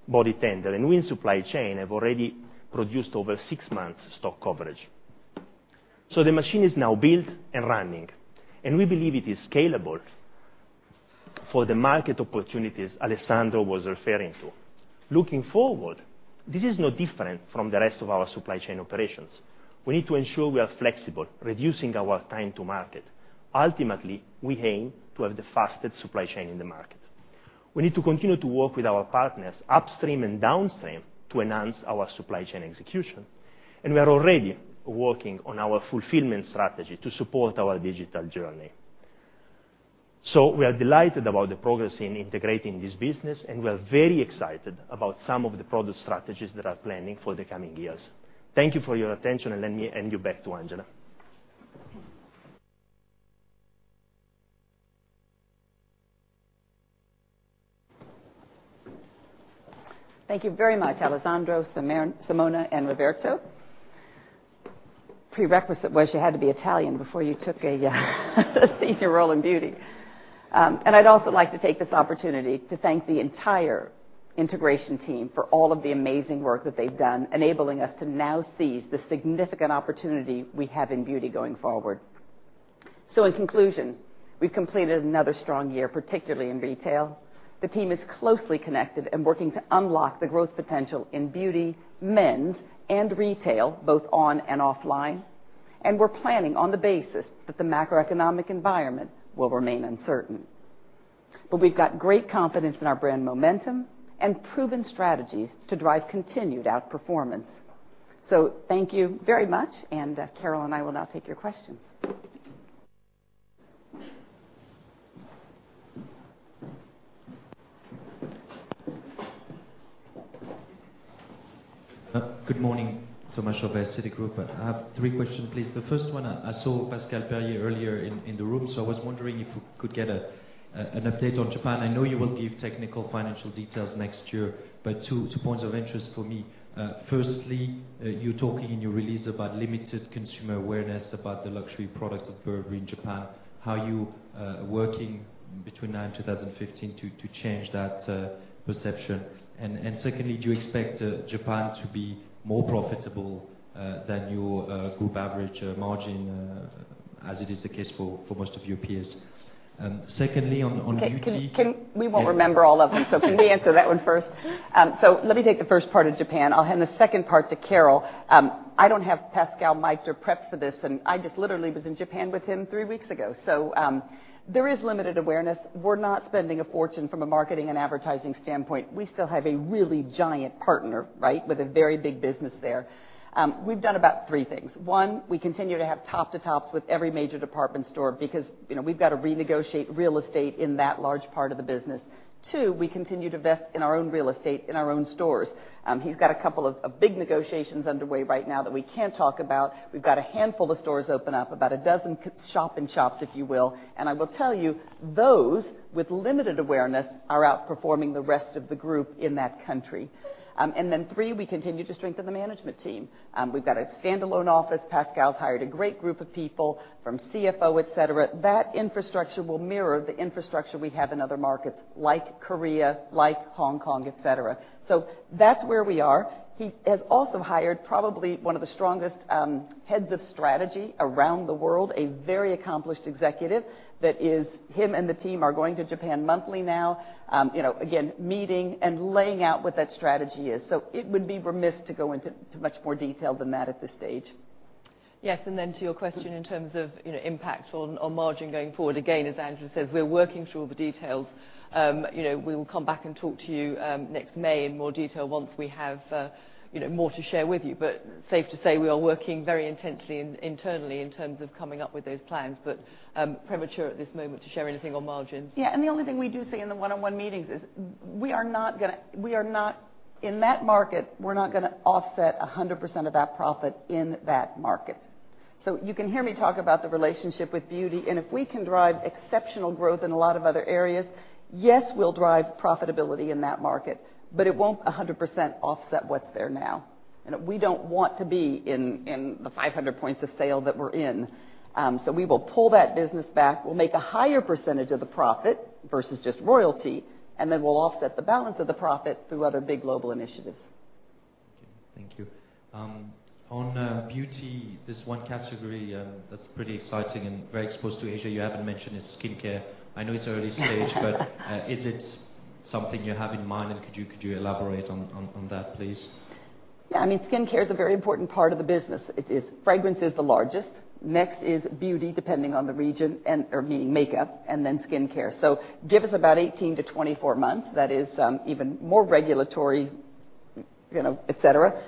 Body Tender. We in supply chain have already produced over six months stock coverage. The machine is now built and running, and we believe it is scalable for the market opportunities Alessandro was referring to. Looking forward, this is no different from the rest of our supply chain operations. We need to ensure we are flexible, reducing our time to market. Ultimately, we aim to have the fastest supply chain in the market. We need to continue to work with our partners upstream and downstream to enhance our supply chain execution, and we are already working on our fulfillment strategy to support our digital journey. We are delighted about the progress in integrating this business, and we are very excited about some of the product strategies that are planning for the coming years. Thank you for your attention, and let me hand you back to Angela. Thank you very much, Alessandro, Simona, and Roberto. Prerequisite was you had to be Italian before you took a senior role in beauty. I'd also like to take this opportunity to thank the entire integration team for all of the amazing work that they've done, enabling us to now seize the significant opportunity we have in beauty going forward. In conclusion, we've completed another strong year, particularly in retail. The team is closely connected and working to unlock the growth potential in beauty, men's, and retail, both on and offline. We're planning on the basis that the macroeconomic environment will remain uncertain. We've got great confidence in our brand momentum and proven strategies to drive continued outperformance. Thank you very much, and Carol and I will now take your questions. Good morning. Thomas Chauvet, Citigroup. I have three questions, please. The first one, I saw Pascal Perrier earlier in the room, so I was wondering if we could get an update on Japan. I know you will give technical financial details next year, but two points of interest for me. Firstly, you're talking in your release about limited consumer awareness about the luxury products of Burberry in Japan. How are you working between now and 2015 to change that perception? Secondly, do you expect Japan to be more profitable than your group average margin as it is the case for most of your peers? Secondly, on beauty- Can we not remember all of them? Can we answer that one first? Let me take the first part of Japan. I'll hand the second part to Carol. I don't have Pascal miked or prepped for this, and I just literally was in Japan with him three weeks ago. There is limited awareness. We're not spending a fortune from a marketing and advertising standpoint. We still have a really giant partner with a very big business there. We've done about three things. One, we continue to have top-to-tops with every major department store because we've got to renegotiate real estate in that large part of the business. Two, we continue to vest in our own real estate in our own stores. He's got a couple of big negotiations underway right now that we can't talk about. We've got a handful of stores open up, about a dozen shop-in-shops, if you will. I will tell you, those with limited awareness are outperforming the rest of the group in that country. Three, we continue to strengthen the management team. We've got a standalone office. Pascal's hired a great group of people from CFO, et cetera. That infrastructure will mirror the infrastructure we have in other markets like Korea, like Hong Kong, et cetera. That's where we are. He has also hired probably one of the strongest heads of strategy around the world, a very accomplished executive. That is, him and the team are going to Japan monthly now. Again, meeting and laying out what that strategy is. It would be remiss to go into much more detail than that at this stage. Yes. To your question in terms of impact on margin going forward, again, as Angela says, we're working through all the details. We will come back and talk to you next May in more detail once we have more to share with you. Safe to say, we are working very intensely internally in terms of coming up with those plans. Premature at this moment to share anything on margins. Yeah. The only thing we do say in the one-on-one meetings is, in that market, we're not going to offset 100% of that profit in that market. You can hear me talk about the relationship with beauty, and if we can drive exceptional growth in a lot of other areas, yes, we'll drive profitability in that market, but it won't 100% offset what's there now. We don't want to be in the 500 points of sale that we're in. We will pull that business back. We'll make a higher percentage of the profit versus just royalty, we'll offset the balance of the profit through other big global initiatives. Okay, thank you. On beauty, there's one category that's pretty exciting and very exposed to Asia you haven't mentioned is skincare. Is it something you have in mind, and could you elaborate on that, please? Yeah. Skincare is a very important part of the business. Fragrance is the largest. Next is beauty, depending on the region, meaning makeup, and then skincare. Give us about 18 to 24 months. That is even more regulatory, et cetera.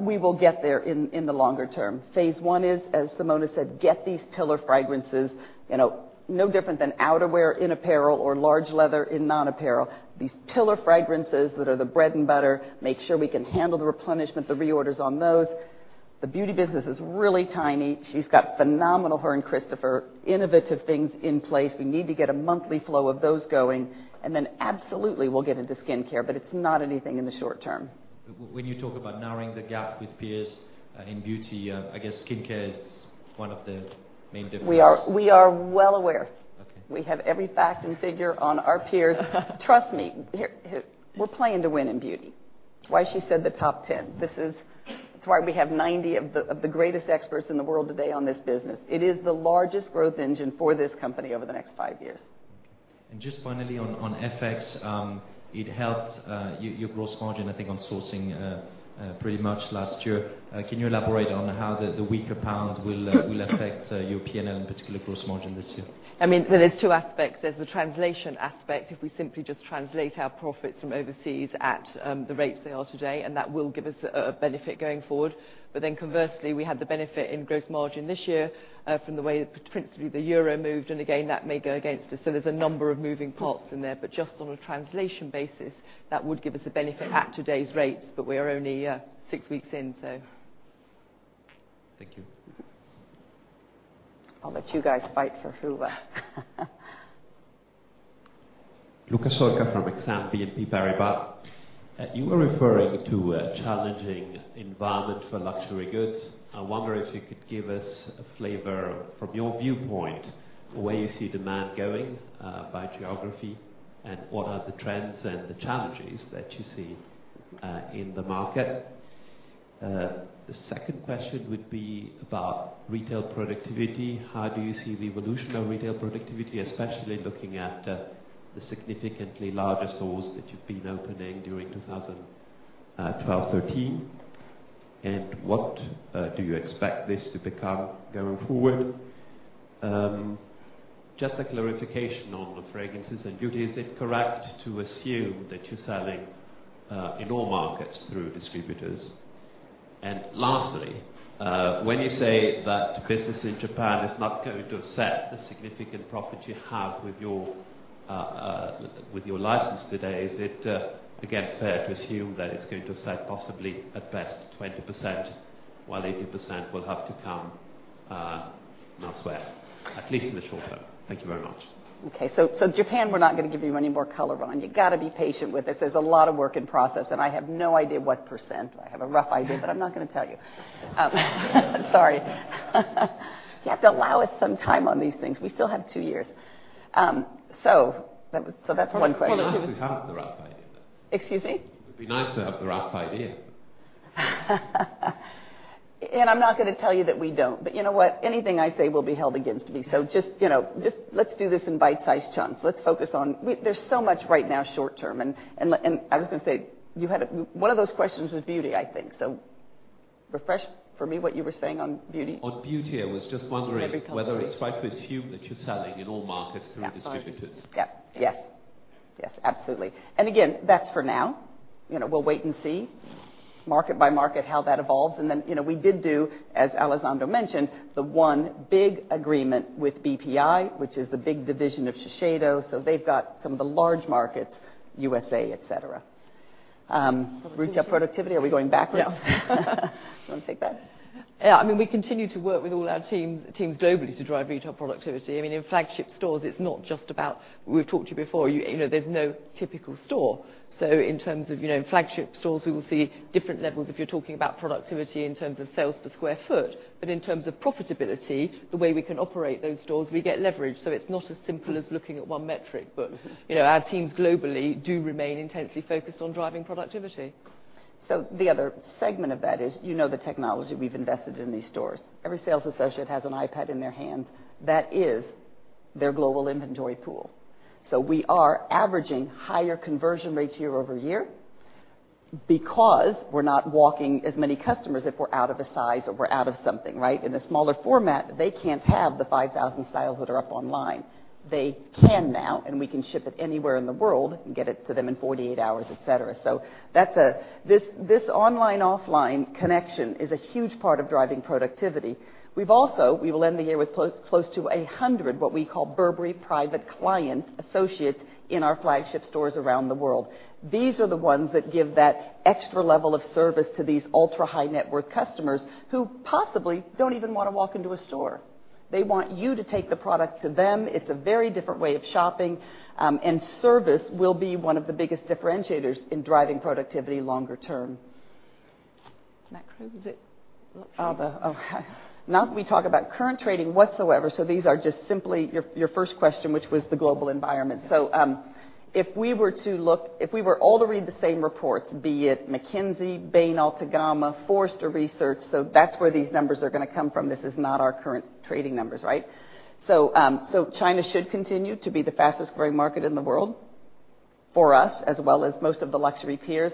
We will get there in the longer term. Phase 1 is, as Simona said, get these pillar fragrances, no different than outerwear in apparel or large leather in non-apparel. These pillar fragrances that are the bread and butter, make sure we can handle the replenishment, the reorders on those. The beauty business is really tiny. She's got phenomenal, her and Christopher, innovative things in place. We need to get a monthly flow of those going, absolutely we'll get into skincare, it's not anything in the short term. When you talk about narrowing the gap with peers in beauty, I guess skincare is one of the main differences. We are well aware. Okay. We have every fact and figure on our peers. Trust me, we're playing to win in beauty. Why she said the top 10. This is why we have 90 of the greatest experts in the world today on this business. It is the largest growth engine for this company over the next five years. Okay. Just finally on FX, it helped your gross margin, I think, on sourcing pretty much last year. Can you elaborate on how the weaker pound will affect your P&L, in particular gross margin this year? There's two aspects. There's the translation aspect, if we simply just translate our profits from overseas at the rates they are today, and that will give us a benefit going forward. Conversely, we have the benefit in gross margin this year from the way principally the euro moved, and again, that may go against us. There's a number of moving parts in there, but just on a translation basis, that would give us a benefit at today's rates, but we are only six weeks in. Thank you. I'll let you guys fight for whoever. Luca Solca from Exane BNP Paribas. You were referring to a challenging environment for luxury goods. I wonder if you could give us a flavor from your viewpoint, where you see demand going by geography, and what are the trends and the challenges that you see in the market. The second question would be about retail productivity. How do you see the evolution of retail productivity, especially looking at the significantly larger stores that you've been opening during 2012-2013? What do you expect this to become going forward? Just a clarification on the fragrances and beauty, is it correct to assume that you're selling in all markets through distributors? Lastly, when you say that business in Japan is not going to offset the significant profit you have with your license today, is it again fair to assume that it's going to offset possibly at best 20%, while 80% will have to come elsewhere, at least in the short term? Thank you very much. Okay. Japan, we're not going to give you any more color on. You got to be patient with it. There's a lot of work in process. I have no idea what percent. I have a rough idea, but I'm not going to tell you. Sorry. You have to allow us some time on these things. We still have two years. That's one question. It would be nice to have the rough idea. Excuse me? It would be nice to have the rough idea. I'm not going to tell you that we don't. You know what? Anything I say will be held against me. Just let's do this in bite-sized chunks. There's so much right now short term, and I was going to say, one of those questions was beauty, I think. Refresh for me what you were saying on beauty. On beauty, I was just wondering. Burberry cosmetics Whether it's right to assume that you're selling in all markets through distributors? Yep. Yes. Absolutely. Again, that's for now. We'll wait and see, market by market, how that evolves. Then, we did do, as Alessandro mentioned, the one big agreement with BPI, which is the big division of Shiseido. They've got some of the large markets, USA, et cetera. Retail productivity, are we going backwards? No. You want to take that? Yeah. We continue to work with all our teams globally to drive retail productivity. In flagship stores, it's not just about, we've talked to you before, there's no typical store. In terms of flagship stores, we will see different levels if you're talking about productivity in terms of sales per square foot. In terms of profitability, the way we can operate those stores, we get leverage. It's not as simple as looking at one metric. Our teams globally do remain intensely focused on driving productivity. The other segment of that is the technology we've invested in these stores. Every sales associate has an iPad in their hand. That is their global inventory tool. We are averaging higher conversion rates year-over-year because we're not walking as many customers if we're out of a size or we're out of something, right? In a smaller format, they can't have the 5,000 styles that are up online. They can now, and we can ship it anywhere in the world and get it to them in 48 hours, et cetera. This online-offline connection is a huge part of driving productivity. We've also will end the year with close to 100, what we call Burberry private client associates in our flagship stores around the world. These are the ones that give that extra level of service to these ultra-high net worth customers who possibly don't even want to walk into a store. They want you to take the product to them. It's a very different way of shopping. Service will be one of the biggest differentiators in driving productivity longer term. Is that current? Is it luxury? Not that we talk about current trading whatsoever, these are just simply your first question, which was the global environment. If we were all to read the same reports, be it McKinsey, Bain, Altagamma, Forrester Research, so that's where these numbers are going to come from. This is not our current trading numbers, right? China should continue to be the fastest growing market in the world for us, as well as most of the luxury peers.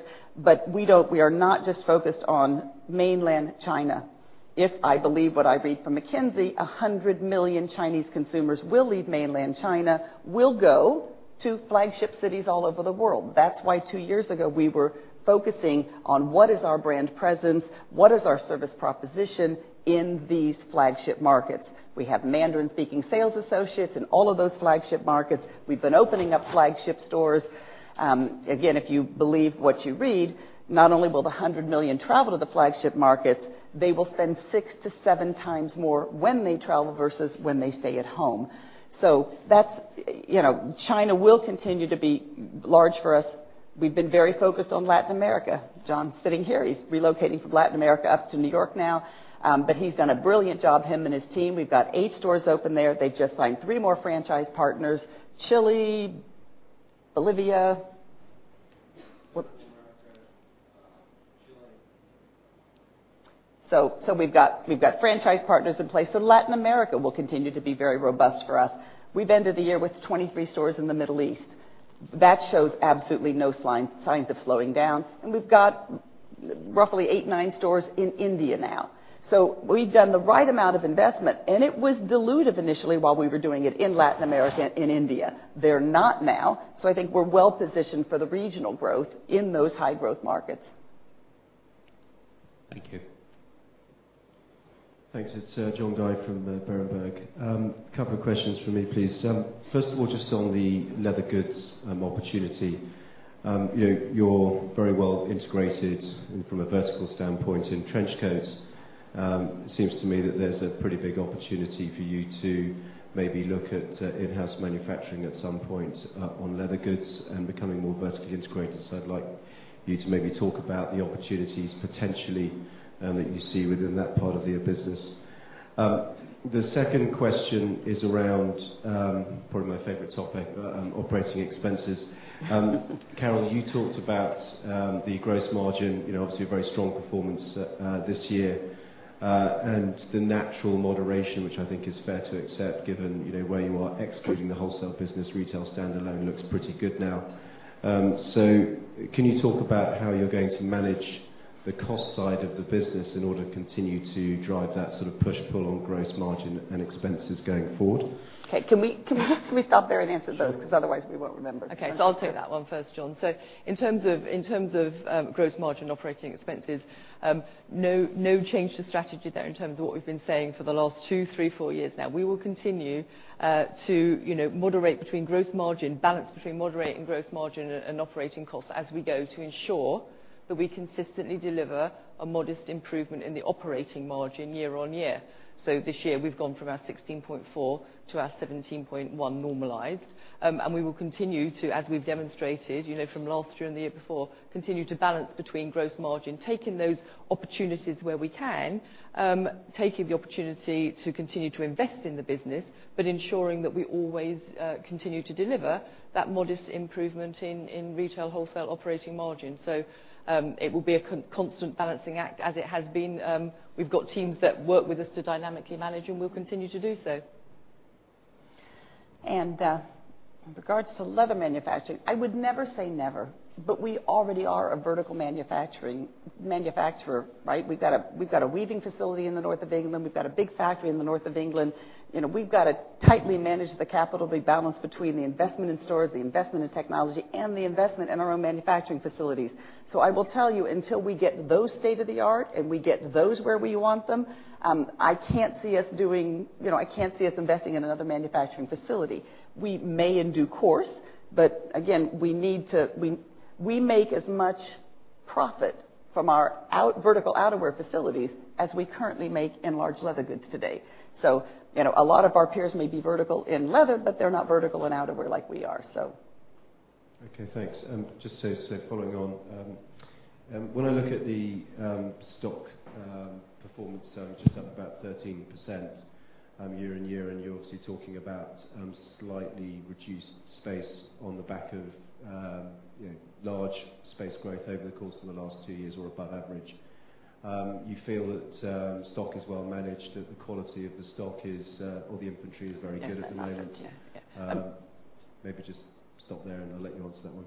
We are not just focused on mainland China. If I believe what I read from McKinsey, 100 million Chinese consumers will leave mainland China, will go to flagship cities all over the world. That's why two years ago, we were focusing on what is our brand presence, what is our service proposition in these flagship markets. We have Mandarin-speaking sales associates in all of those flagship markets. We've been opening up flagship stores. Again, if you believe what you read, not only will the 100 million travel to the flagship markets, they will spend six to seven times more when they travel versus when they stay at home. China will continue to be large for us. We've been very focused on Latin America. John sitting here, he's relocating from Latin America up to New York now. He's done a brilliant job, him and his team. We've got eight stores open there. They've just signed three more franchise partners. Chile, Bolivia. Latin America, Chile. We've got franchise partners in place. Latin America will continue to be very robust for us. We've ended the year with 23 stores in the Middle East. That shows absolutely no signs of slowing down. We've got roughly eight, nine stores in India now. We've done the right amount of investment, and it was dilutive initially while we were doing it in Latin America, in India. They're not now. I think we're well-positioned for the regional growth in those high-growth markets. Thank you. Thanks. It's John Guy from Berenberg. Couple of questions from me, please. First of all, just on the leather goods opportunity. You're very well integrated from a vertical standpoint in trench coats. It seems to me that there's a pretty big opportunity for you to maybe look at in-house manufacturing at some point on leather goods and becoming more vertically integrated. I'd like you to maybe talk about the opportunities potentially that you see within that part of your business. The second question is around probably my favorite topic, operating expenses. Carol, you talked about the gross margin, obviously a very strong performance this year. The natural moderation, which I think is fair to accept given where you are excluding the wholesale business, retail standalone looks pretty good now. Can you talk about how you're going to manage the cost side of the business in order to continue to drive that sort of push-pull on gross margin and expenses going forward. Okay. Can we stop there and answer those, because otherwise we won't remember. I'll take that one first, John. In terms of gross margin, operating expenses, no change to strategy there in terms of what we've been saying for the last two, three, four years now. We will continue to moderate between gross margin, balance between moderate and gross margin and operating costs as we go, to ensure that we consistently deliver a modest improvement in the operating margin year-on-year. This year, we've gone from our 16.4% to our 17.1% normalized. We will continue to, as we've demonstrated from last year and the year before, continue to balance between gross margin, taking those opportunities where we can, taking the opportunity to continue to invest in the business, but ensuring that we always continue to deliver that modest improvement in retail wholesale operating margin. It will be a constant balancing act as it has been. We've got teams that work with us to dynamically manage, and we'll continue to do so. In regards to leather manufacturing, I would never say never, but we already are a vertical manufacturer, right? We've got a weaving facility in the north of England. We've got a big factory in the north of England. We've got to tightly manage the capital we balance between the investment in stores, the investment in technology, and the investment in our own manufacturing facilities. I will tell you, until we get those state of the art and we get those where we want them, I can't see us investing in another manufacturing facility. We may in due course, but again, we make as much profit from our vertical outerwear facilities as we currently make in large leather goods today. A lot of our peers may be vertical in leather, but they're not vertical in outerwear like we are. Okay, thanks. Following on, when I look at the stock performance, which is up about 13% year-over-year, and you're obviously talking about slightly reduced space on the back of large space growth over the course of the last 2 years or above average. You feel that stock is well managed, that the quality of the stock is, or the inventory is very good at the moment? Yes. Maybe just stop there and I'll let you answer that one.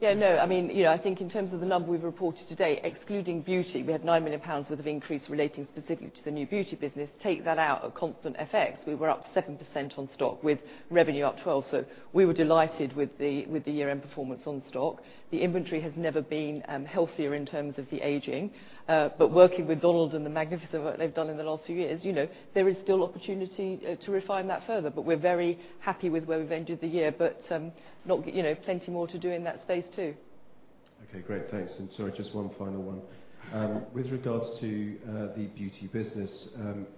Yeah, no. I think in terms of the number we've reported today, excluding Beauty, we had 9 million pounds worth of increase relating specifically to the new Beauty business. Take that out at constant FX, we were up 7% on stock with revenue up 12%. We were delighted with the year-end performance on stock. The inventory has never been healthier in terms of the aging. Working with Donald and the magnificent work they've done in the last few years, there is still opportunity to refine that further, we're very happy with where we've ended the year. Plenty more to do in that space, too. Okay, great. Thanks. Sorry, just one final one. With regards to the Beauty business,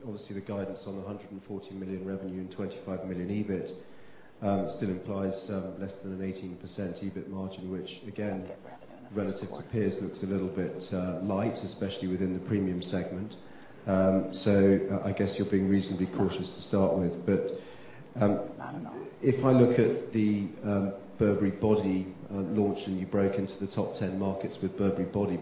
obviously the guidance on 140 million revenue and 25 million EBIT still implies less than an 18% EBIT margin, which again, relative to peers, looks a little bit light, especially within the premium segment. I guess you're being reasonably cautious to start with. I don't know If I look at the Burberry Body launch, you broke into the top 10 markets with Burberry Body,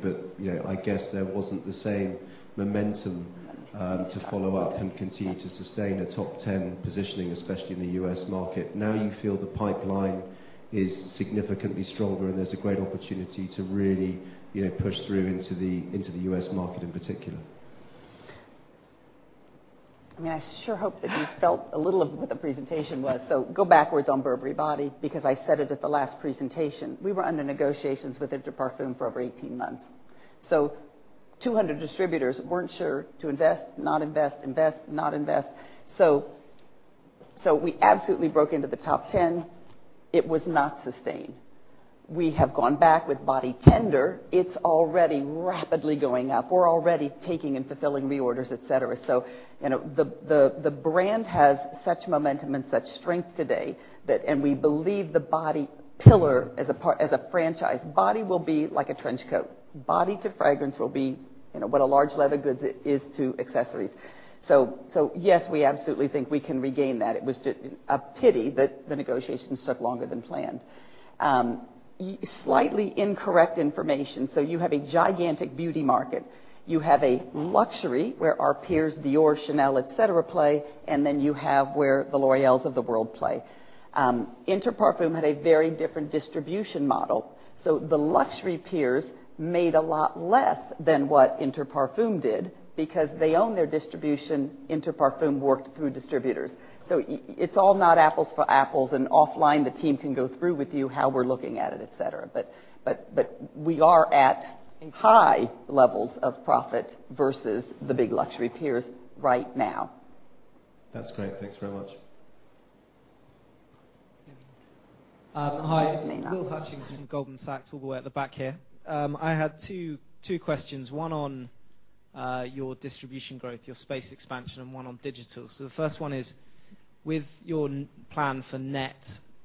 I guess there wasn't the same momentum to follow up and continue to sustain a top 10 positioning, especially in the U.S. market. Now you feel the pipeline is significantly stronger and there's a great opportunity to really push through into the U.S. market in particular. I sure hope that you felt a little of what the presentation was. Go backwards on Burberry Body, because I said it at the last presentation. We were under negotiations with Inter Parfums for over 18 months. 200 distributors weren't sure to invest, not invest, not invest. We absolutely broke into the top 10. It was not sustained. We have gone back with Body Tender. It's already rapidly going up. We're already taking and fulfilling reorders, et cetera. The brand has such momentum and such strength today, and we believe the Body pillar as a franchise, Body will be like a trench coat. Body to fragrance will be what a large leather goods is to accessories. Yes, we absolutely think we can regain that. It was a pity that the negotiations took longer than planned. Slightly incorrect information. You have a gigantic beauty market. You have a luxury where our peers, Dior, Chanel, et cetera, play, and then you have where the L'Oréals of the world play. Inter Parfums had a very different distribution model. The luxury peers made a lot less than what Inter Parfums did because they own their distribution. Inter Parfums worked through distributors. It's all not apples for apples, and offline the team can go through with you how we're looking at it, et cetera. We are at high levels of profit versus the big luxury peers right now. That's great. Thanks very much. Hi. William Hutchings from Goldman Sachs, all the way at the back here. I had two questions, one on your distribution growth, your space expansion, and one on digital. The first one is, with your plan for net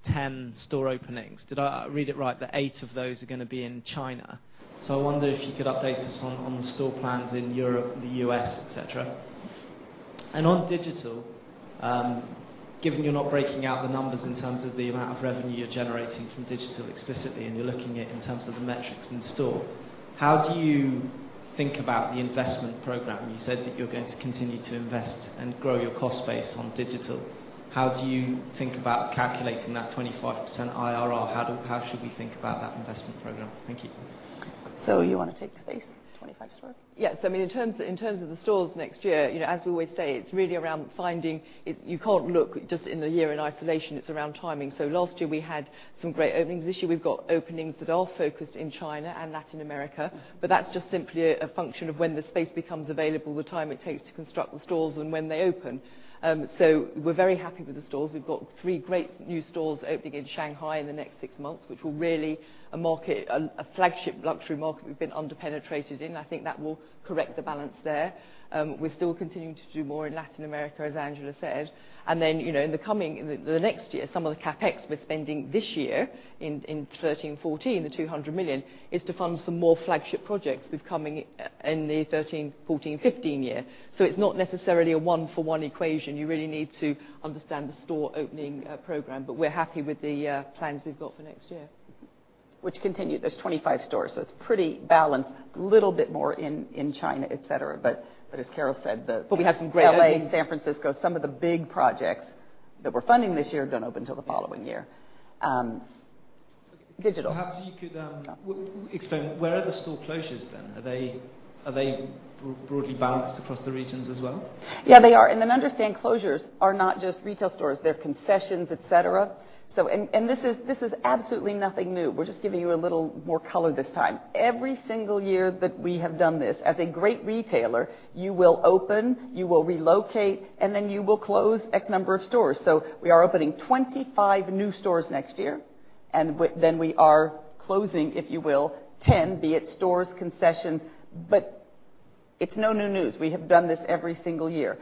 10 store openings, did I read it right that eight of those are going to be in China? I wonder if you could update us on the store plans in Europe, the U.S., et cetera. On digital, given you're not breaking out the numbers in terms of the amount of revenue you're generating from digital explicitly, and you're looking at in terms of the metrics in store, how do you think about the investment program? You said that you're going to continue to invest and grow your cost base on digital. How do you think about calculating that 25% IRR? How should we think about that investment program? Thank you. You want to take space, 25 stores? Yes. In terms of the stores next year, as we always say, it's really around finding. You can't look just in the year in isolation. It's around timing. Last year, we had some great openings. This year, we've got openings that are focused in China and Latin America, that's just simply a function of when the space becomes available, the time it takes to construct the stores, and when they open. We're very happy with the stores. We've got three great new stores opening in Shanghai in the next six months, which were really a flagship luxury market we've been under-penetrated in. I think that will correct the balance there. We're still continuing to do more in Latin America, as Angela said. In the next year, some of the CapEx we're spending this year in 2013-2014, the 200 million, is to fund some more flagship projects with coming in the 2013, 2014, 2015 year. It's not necessarily a one-for-one equation. You really need to understand the store opening program. We're happy with the plans we've got for next year. Which continue. There are 25 stores. It's pretty balanced. A little bit more in China, et cetera. As Carol said. We have some great openings. L.A., San Francisco, some of the big projects that we're funding this year don't open till the following year. Digital. Perhaps you could explain, where are the store closures? Are they broadly balanced across the regions as well? Yeah, they are. Understand closures are not just retail stores. They're concessions, et cetera. This is absolutely nothing new. We're just giving you a little more color this time. Every single year that we have done this, as a great retailer, you will open, you will relocate, you will close X number of stores. We are opening 25 new stores next year, we are closing, if you will, 10, be it stores, concessions, but it's no new news. We have done this every single year.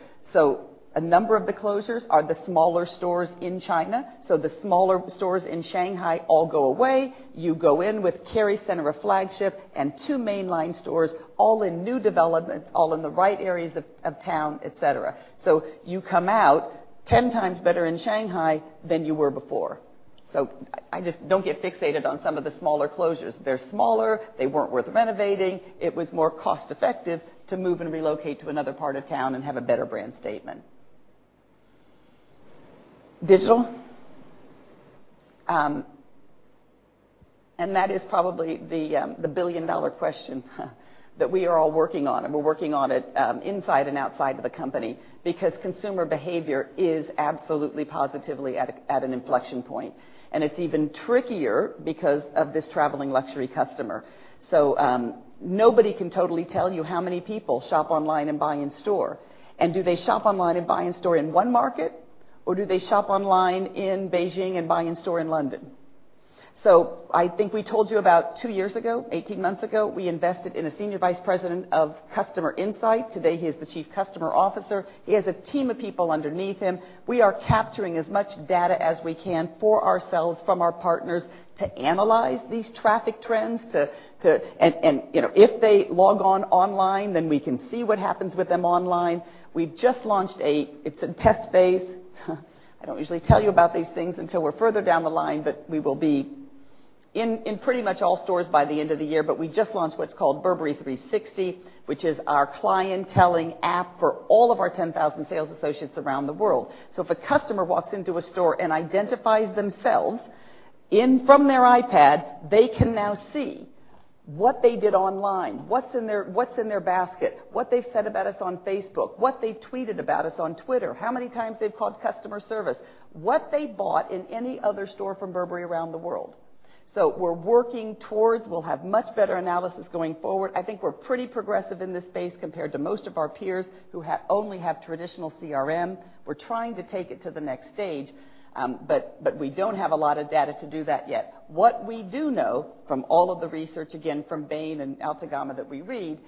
A number of the closures are the smaller stores in China. The smaller stores in Shanghai all go away. You go in with Kerry Centre, a flagship, and two mainline stores, all in new developments, all in the right areas of town, et cetera. You come out 10 times better in Shanghai than you were before. Just don't get fixated on some of the smaller closures. They're smaller. They weren't worth renovating. It was more cost-effective to move and relocate to another part of town and have a better brand statement. Digital. That is probably the billion-dollar question that we are all working on, and we're working on it inside and outside of the company because consumer behavior is absolutely, positively at an inflection point. It's even trickier because of this traveling luxury customer. Nobody can totally tell you how many people shop online and buy in store. Do they shop online and buy in store in one market? Do they shop online in Beijing and buy in store in London? I think we told you about two years ago, 18 months ago, we invested in a Senior Vice President of customer insight. Today, he is the Chief Customer Officer. He has a team of people underneath him. We are capturing as much data as we can for ourselves from our partners to analyze these traffic trends. If they log on online, then we can see what happens with them online. We've just launched a test phase. I don't usually tell you about these things until we're further down the line, but we will be in pretty much all stores by the end of the year, but we just launched what's called Burberry 360, which is our clienteling app for all of our 10,000 sales associates around the world. If a customer walks into a store and identifies themselves from their iPad, they can now see what they did online, what's in their basket, what they've said about us on Facebook, what they tweeted about us on Twitter, how many times they've called customer service, what they bought in any other store from Burberry around the world. We're working towards, we'll have much better analysis going forward. I think we're pretty progressive in this space compared to most of our peers who only have traditional CRM. We're trying to take it to the next stage, but we don't have a lot of data to do that yet. What we do know from all of the research, again, from Bain and Altagamma that we read,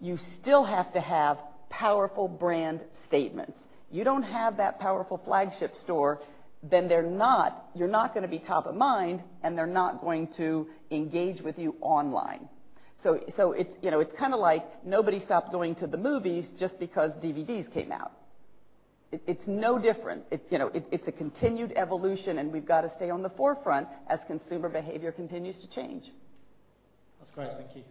you still have to have powerful brand statements. You don't have that powerful flagship store, then you're not going to be top of mind, and they're not going to engage with you online. It's like nobody stopped going to the movies just because DVDs came out. It's no different. It's a continued evolution, we've got to stay on the forefront as consumer behavior continues to change. That's great. Thank you.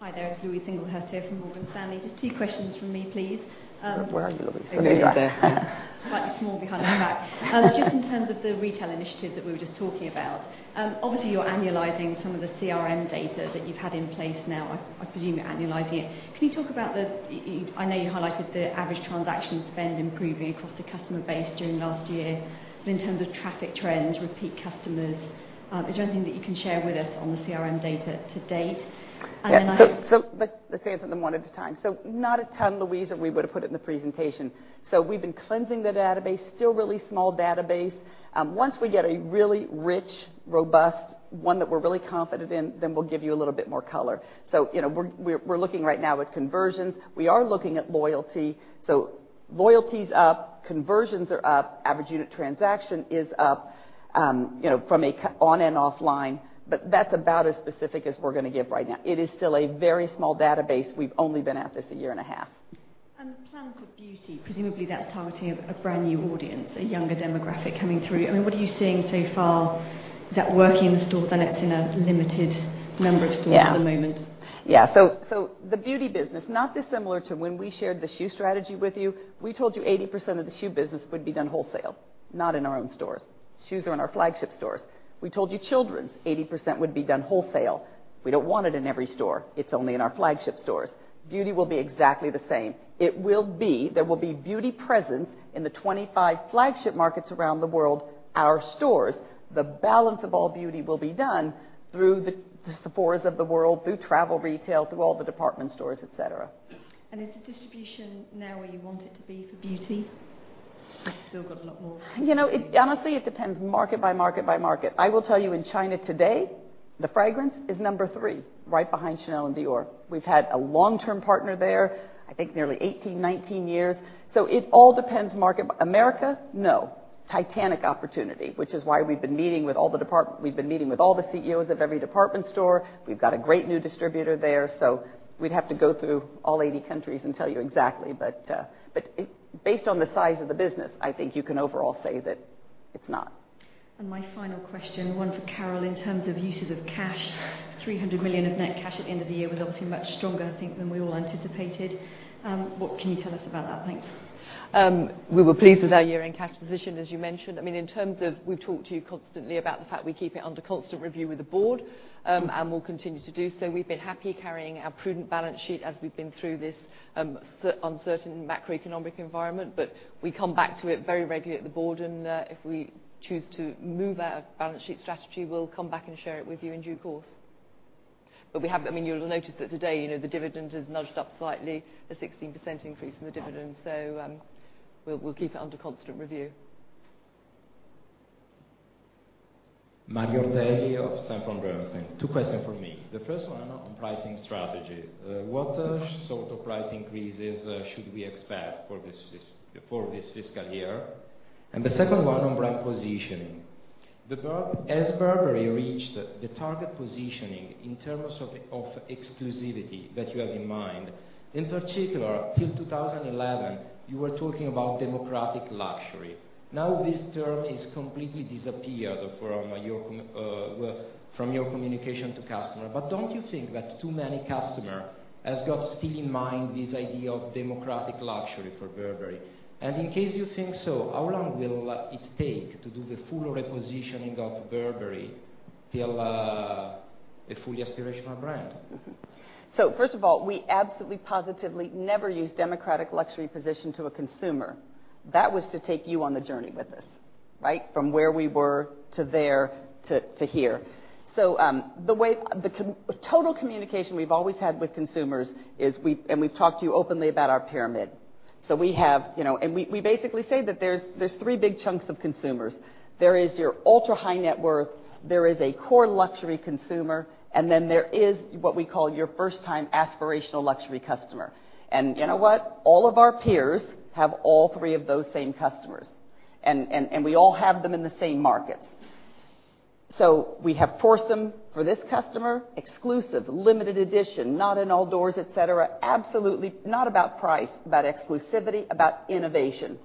Hi there. It's Louise Singlehurst here from Morgan Stanley. Just two questions from me, please. Where are you, Louise? Oh, there you are. There you are. Slightly small behind the back. Just in terms of the retail initiative that we were just talking about, obviously, you're annualizing some of the CRM data that you've had in place now. I presume you're annualizing it. I know you highlighted the average transaction spend improving across the customer base during last year. In terms of traffic trends, repeat customers, is there anything that you can share with us on the CRM data to date? Let's answer them one at a time. Not a ton, Louise, or we would've put it in the presentation. We've been cleansing the database, still a really small database. Once we get a really rich, robust one that we're really confident in, then we'll give you a little bit more color. We're looking right now at conversions. We are looking at loyalty. Loyalty's up, conversions are up, average unit transaction is up on and offline. That's about as specific as we're going to give right now. It is still a very small database. We've only been at this a year and a half. The plan for beauty, presumably that's targeting a brand new audience, a younger demographic coming through. What are you seeing so far? Is that working in store? I know it's in a limited number of stores at the moment. The beauty business, not dissimilar to when we shared the shoe strategy with you. We told you 80% of the shoe business would be done wholesale, not in our own stores. Shoes are in our flagship stores. We told you children's, 80% would be done wholesale. We don't want it in every store. It's only in our flagship stores. Beauty will be exactly the same. There will be beauty presence in the 25 flagship markets around the world, our stores. The balance of all beauty will be done through the Sephora of the world, through travel retail, through all the department stores, et cetera. Is the distribution now where you want it to be for beauty? Honestly, it depends market by market. I will tell you, in China today, the fragrance is number three, right behind Chanel and Dior. We've had a long-term partner there, I think nearly 18, 19 years. It all depends market by market. America, no. Titanic opportunity, which is why we've been meeting with all the CEOs of every department store. We've got a great new distributor there. We'd have to go through all 80 countries and tell you exactly. Based on the size of the business, I think you can overall say that it's not. My final question, one for Carol in terms of uses of cash. 300 million of net cash at the end of the year was obviously much stronger, I think, than we all anticipated. What can you tell us about that? Thanks. We were pleased with our year-end cash position, as you mentioned. We've talked to you constantly about the fact we keep it under constant review with the board, and will continue to do so. We've been happy carrying our prudent balance sheet as we've been through this uncertain macroeconomic environment. We come back to it very regularly at the board, and if we choose to move our balance sheet strategy, we'll come back and share it with you in due course. You'll notice that today, the dividend is nudged up slightly, a 16% increase from the dividend. We'll keep it under constant review. Mario Ortelli of Sanford C. Bernstein. Two question from me. The first one on pricing strategy. What sort of price increases should we expect for this fiscal year? The second one on brand positioning. Has Burberry reached the target positioning in terms of exclusivity that you have in mind? In particular, till 2011, you were talking about democratic luxury. Now this term is completely disappeared from your communication to customer. Don't you think that too many customer has got still in mind this idea of democratic luxury for Burberry? In case you think so, how long will it take to do the full repositioning of Burberry till a fully aspirational brand? First of all, we absolutely, positively never use democratic luxury position to a consumer. That was to take you on the journey with us. From where we were to there, to here. The total communication we've always had with consumers is, we've talked to you openly about our pyramid. We basically say that there's three big chunks of consumers. There is your ultra-high net worth, there is a core luxury consumer, and then there is what we call your first-time aspirational luxury customer. You know what? All of our peers have all three of those same customers. We all have them in the same markets. We have Prorsum for this customer, exclusive, limited edition, not in all doors, et cetera. Absolutely not about price, about exclusivity, about innovation.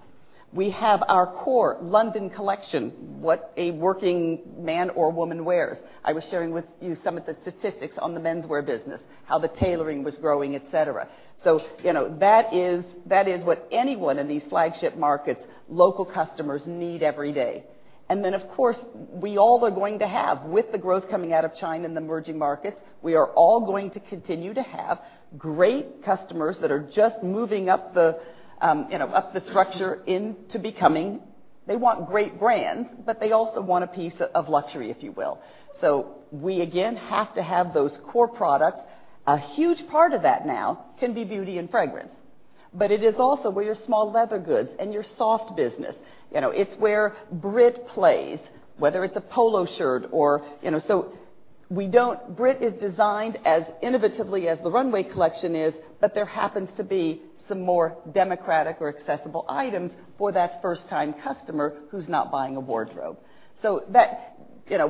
We have our core London collection, what a working man or woman wears. I was sharing with you some of the statistics on the menswear business, how the tailoring was growing, et cetera. That is what anyone in these flagship markets, local customers need every day. Then, of course, we all are going to have, with the growth coming out of China and the emerging markets, we are all going to continue to have great customers that are just moving up the structure into becoming They want great brands, but they also want a piece of luxury, if you will. We, again, have to have those core products. A huge part of that now can be beauty and fragrance. It is also where your small leather goods and your soft business. It's where Brit plays, whether it's a polo shirt. Brit is designed as innovatively as the runway collection is, There happens to be some more democratic or accessible items for that first-time customer who's not buying a wardrobe.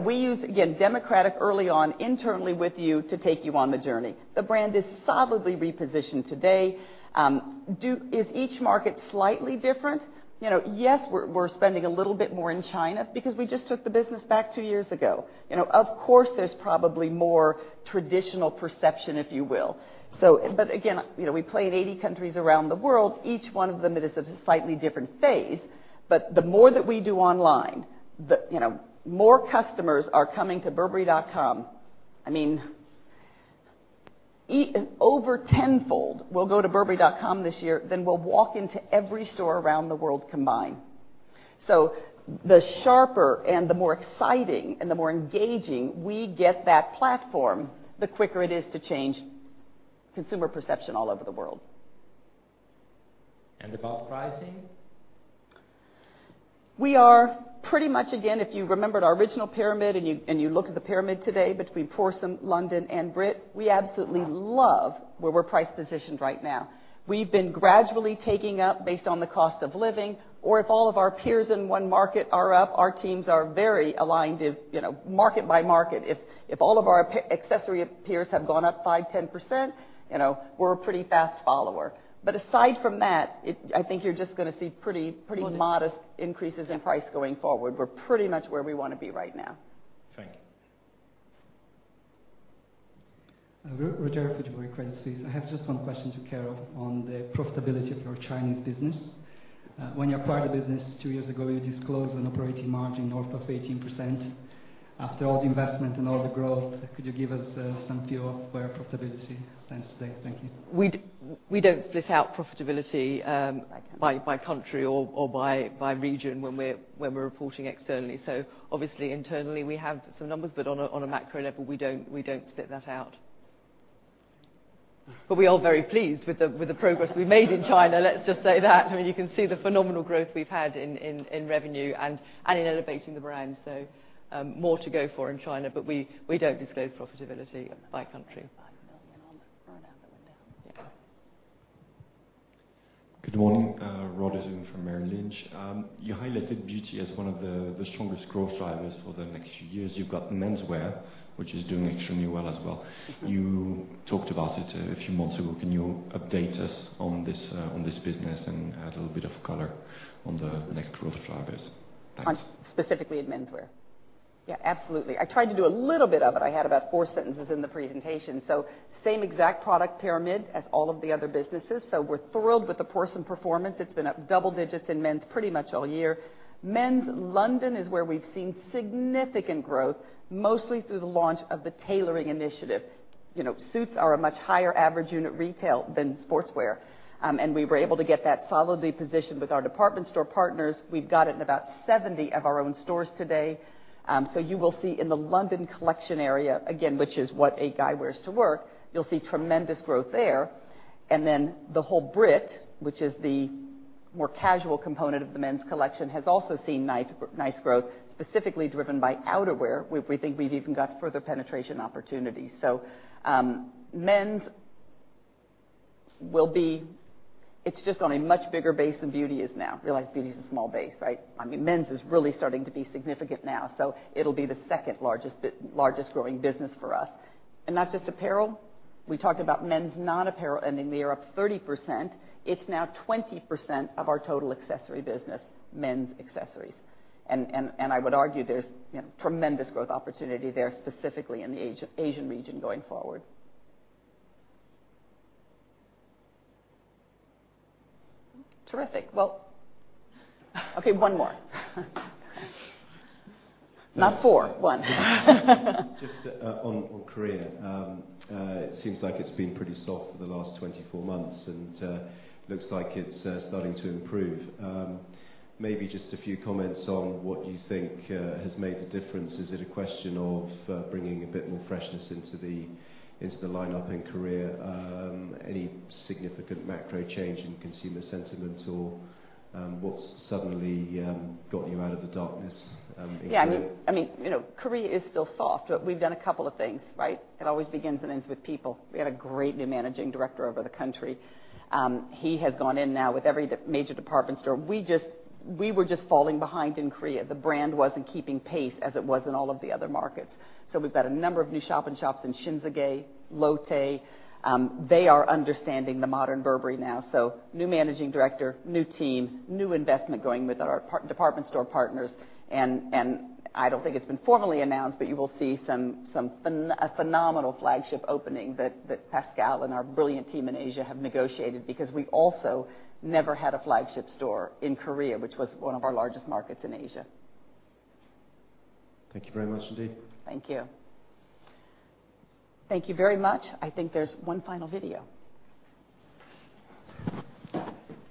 We used, again, democratic early on internally with you to take you on the journey. The brand is solidly repositioned today. Is each market slightly different? Yes, we're spending a little bit more in China because we just took the business back two years ago. Of course, there's probably more traditional perception, if you will. Again, we play in 80 countries around the world. Each one of them is at a slightly different phase. The more that we do online, more customers are coming to burberry.com. Over tenfold will go to burberry.com this year than will walk into every store around the world combined. The sharper and the more exciting and the more engaging we get that platform, the quicker it is to change consumer perception all over the world. About pricing? We are pretty much, again, if you remembered our original pyramid and you look at the pyramid today between Prorsum, London and Brit, we absolutely love where we're price positioned right now. We've been gradually taking up based on the cost of living, or if all of our peers in one market are up, our teams are very aligned to market by market. If all of our accessory peers have gone up 5%-10%, we're a pretty fast follower. Aside from that, I think you're just going to see pretty modest increases in price going forward. We're pretty much where we want to be right now. Thank you. Roger Fujimori, Credit Suisse. I have just one question to Carol on the profitability of your Chinese business. When you acquired the business two years ago, you disclosed an operating margin north of 18%. After all the investment and all the growth, could you give us some feel for profitability stands today? Thank you. We don't split out profitability by country or by region when we're reporting externally. Obviously, internally we have some numbers, but on a macro level, we don't split that out. We are very pleased with the progress we've made in China, let's just say that. You can see the phenomenal growth we've had in revenue and in elevating the brand. More to go for in China, but we don't disclose profitability by country. GBP 85 million on the front end that went down. Good morning. [Roger Zheng] from Merrill Lynch. You highlighted Beauty as one of the strongest growth drivers for the next few years. You've got Menswear, which is doing extremely well as well. You talked about it a few months ago. Can you update us on this business and add a little bit of color on the next growth drivers? Thanks. On specifically in Menswear? Absolutely. I tried to do a little bit of it. I had about four sentences in the presentation. Same exact product pyramid as all of the other businesses. We're thrilled with the Prorsum performance. It's been up double-digits in Men's pretty much all year. Men's London is where we've seen significant growth, mostly through the launch of the tailoring initiative. Suits are a much higher average unit retail than sportswear. We were able to get that solidly positioned with our department store partners. We've got it in about 70 of our own stores today. You will see in the London Collection area, again, which is what a guy wears to work, you'll see tremendous growth there. Then the whole Brit, which is the more casual component of the Men's collection, has also seen nice growth, specifically driven by outerwear. We think we've even got further penetration opportunities. Men's, it's just on a much bigger base than Beauty is now. Realize Beauty is a small base, right? Men's is really starting to be significant now. It'll be the second-largest growing business for us. Not just apparel. We talked about Men's non-apparel ending the year up 30%. It's now 20% of our total accessory business, Men's accessories. I would argue there's tremendous growth opportunity there, specifically in the Asian region going forward. Terrific. Well, okay, one more. Not four, one. Just on Korea. It seems like it's been pretty soft for the last 24 months, and looks like it's starting to improve. Maybe just a few comments on what you think has made the difference. Is it a question of bringing a bit more freshness into the lineup in Korea? Any significant macro change in consumer sentiment, or what's suddenly got you out of the darkness in Korea? Yeah, Korea is still soft, but we've done a couple of things, right? It always begins and ends with people. We had a great new managing director over the country. He has gone in now with every major department store. We were just falling behind in Korea. The brand wasn't keeping pace as it was in all of the other markets. We've got a number of new shop in shops in Shinsegae, Lotte. They are understanding the modern Burberry now. New managing director, new team, new investment going with our department store partners. I don't think it's been formally announced, but you will see a phenomenal flagship opening that Pascal and our brilliant team in Asia have negotiated because we also never had a flagship store in Korea, which was one of our largest markets in Asia. Thank you very much indeed. Thank you. Thank you very much. I think there's one final video.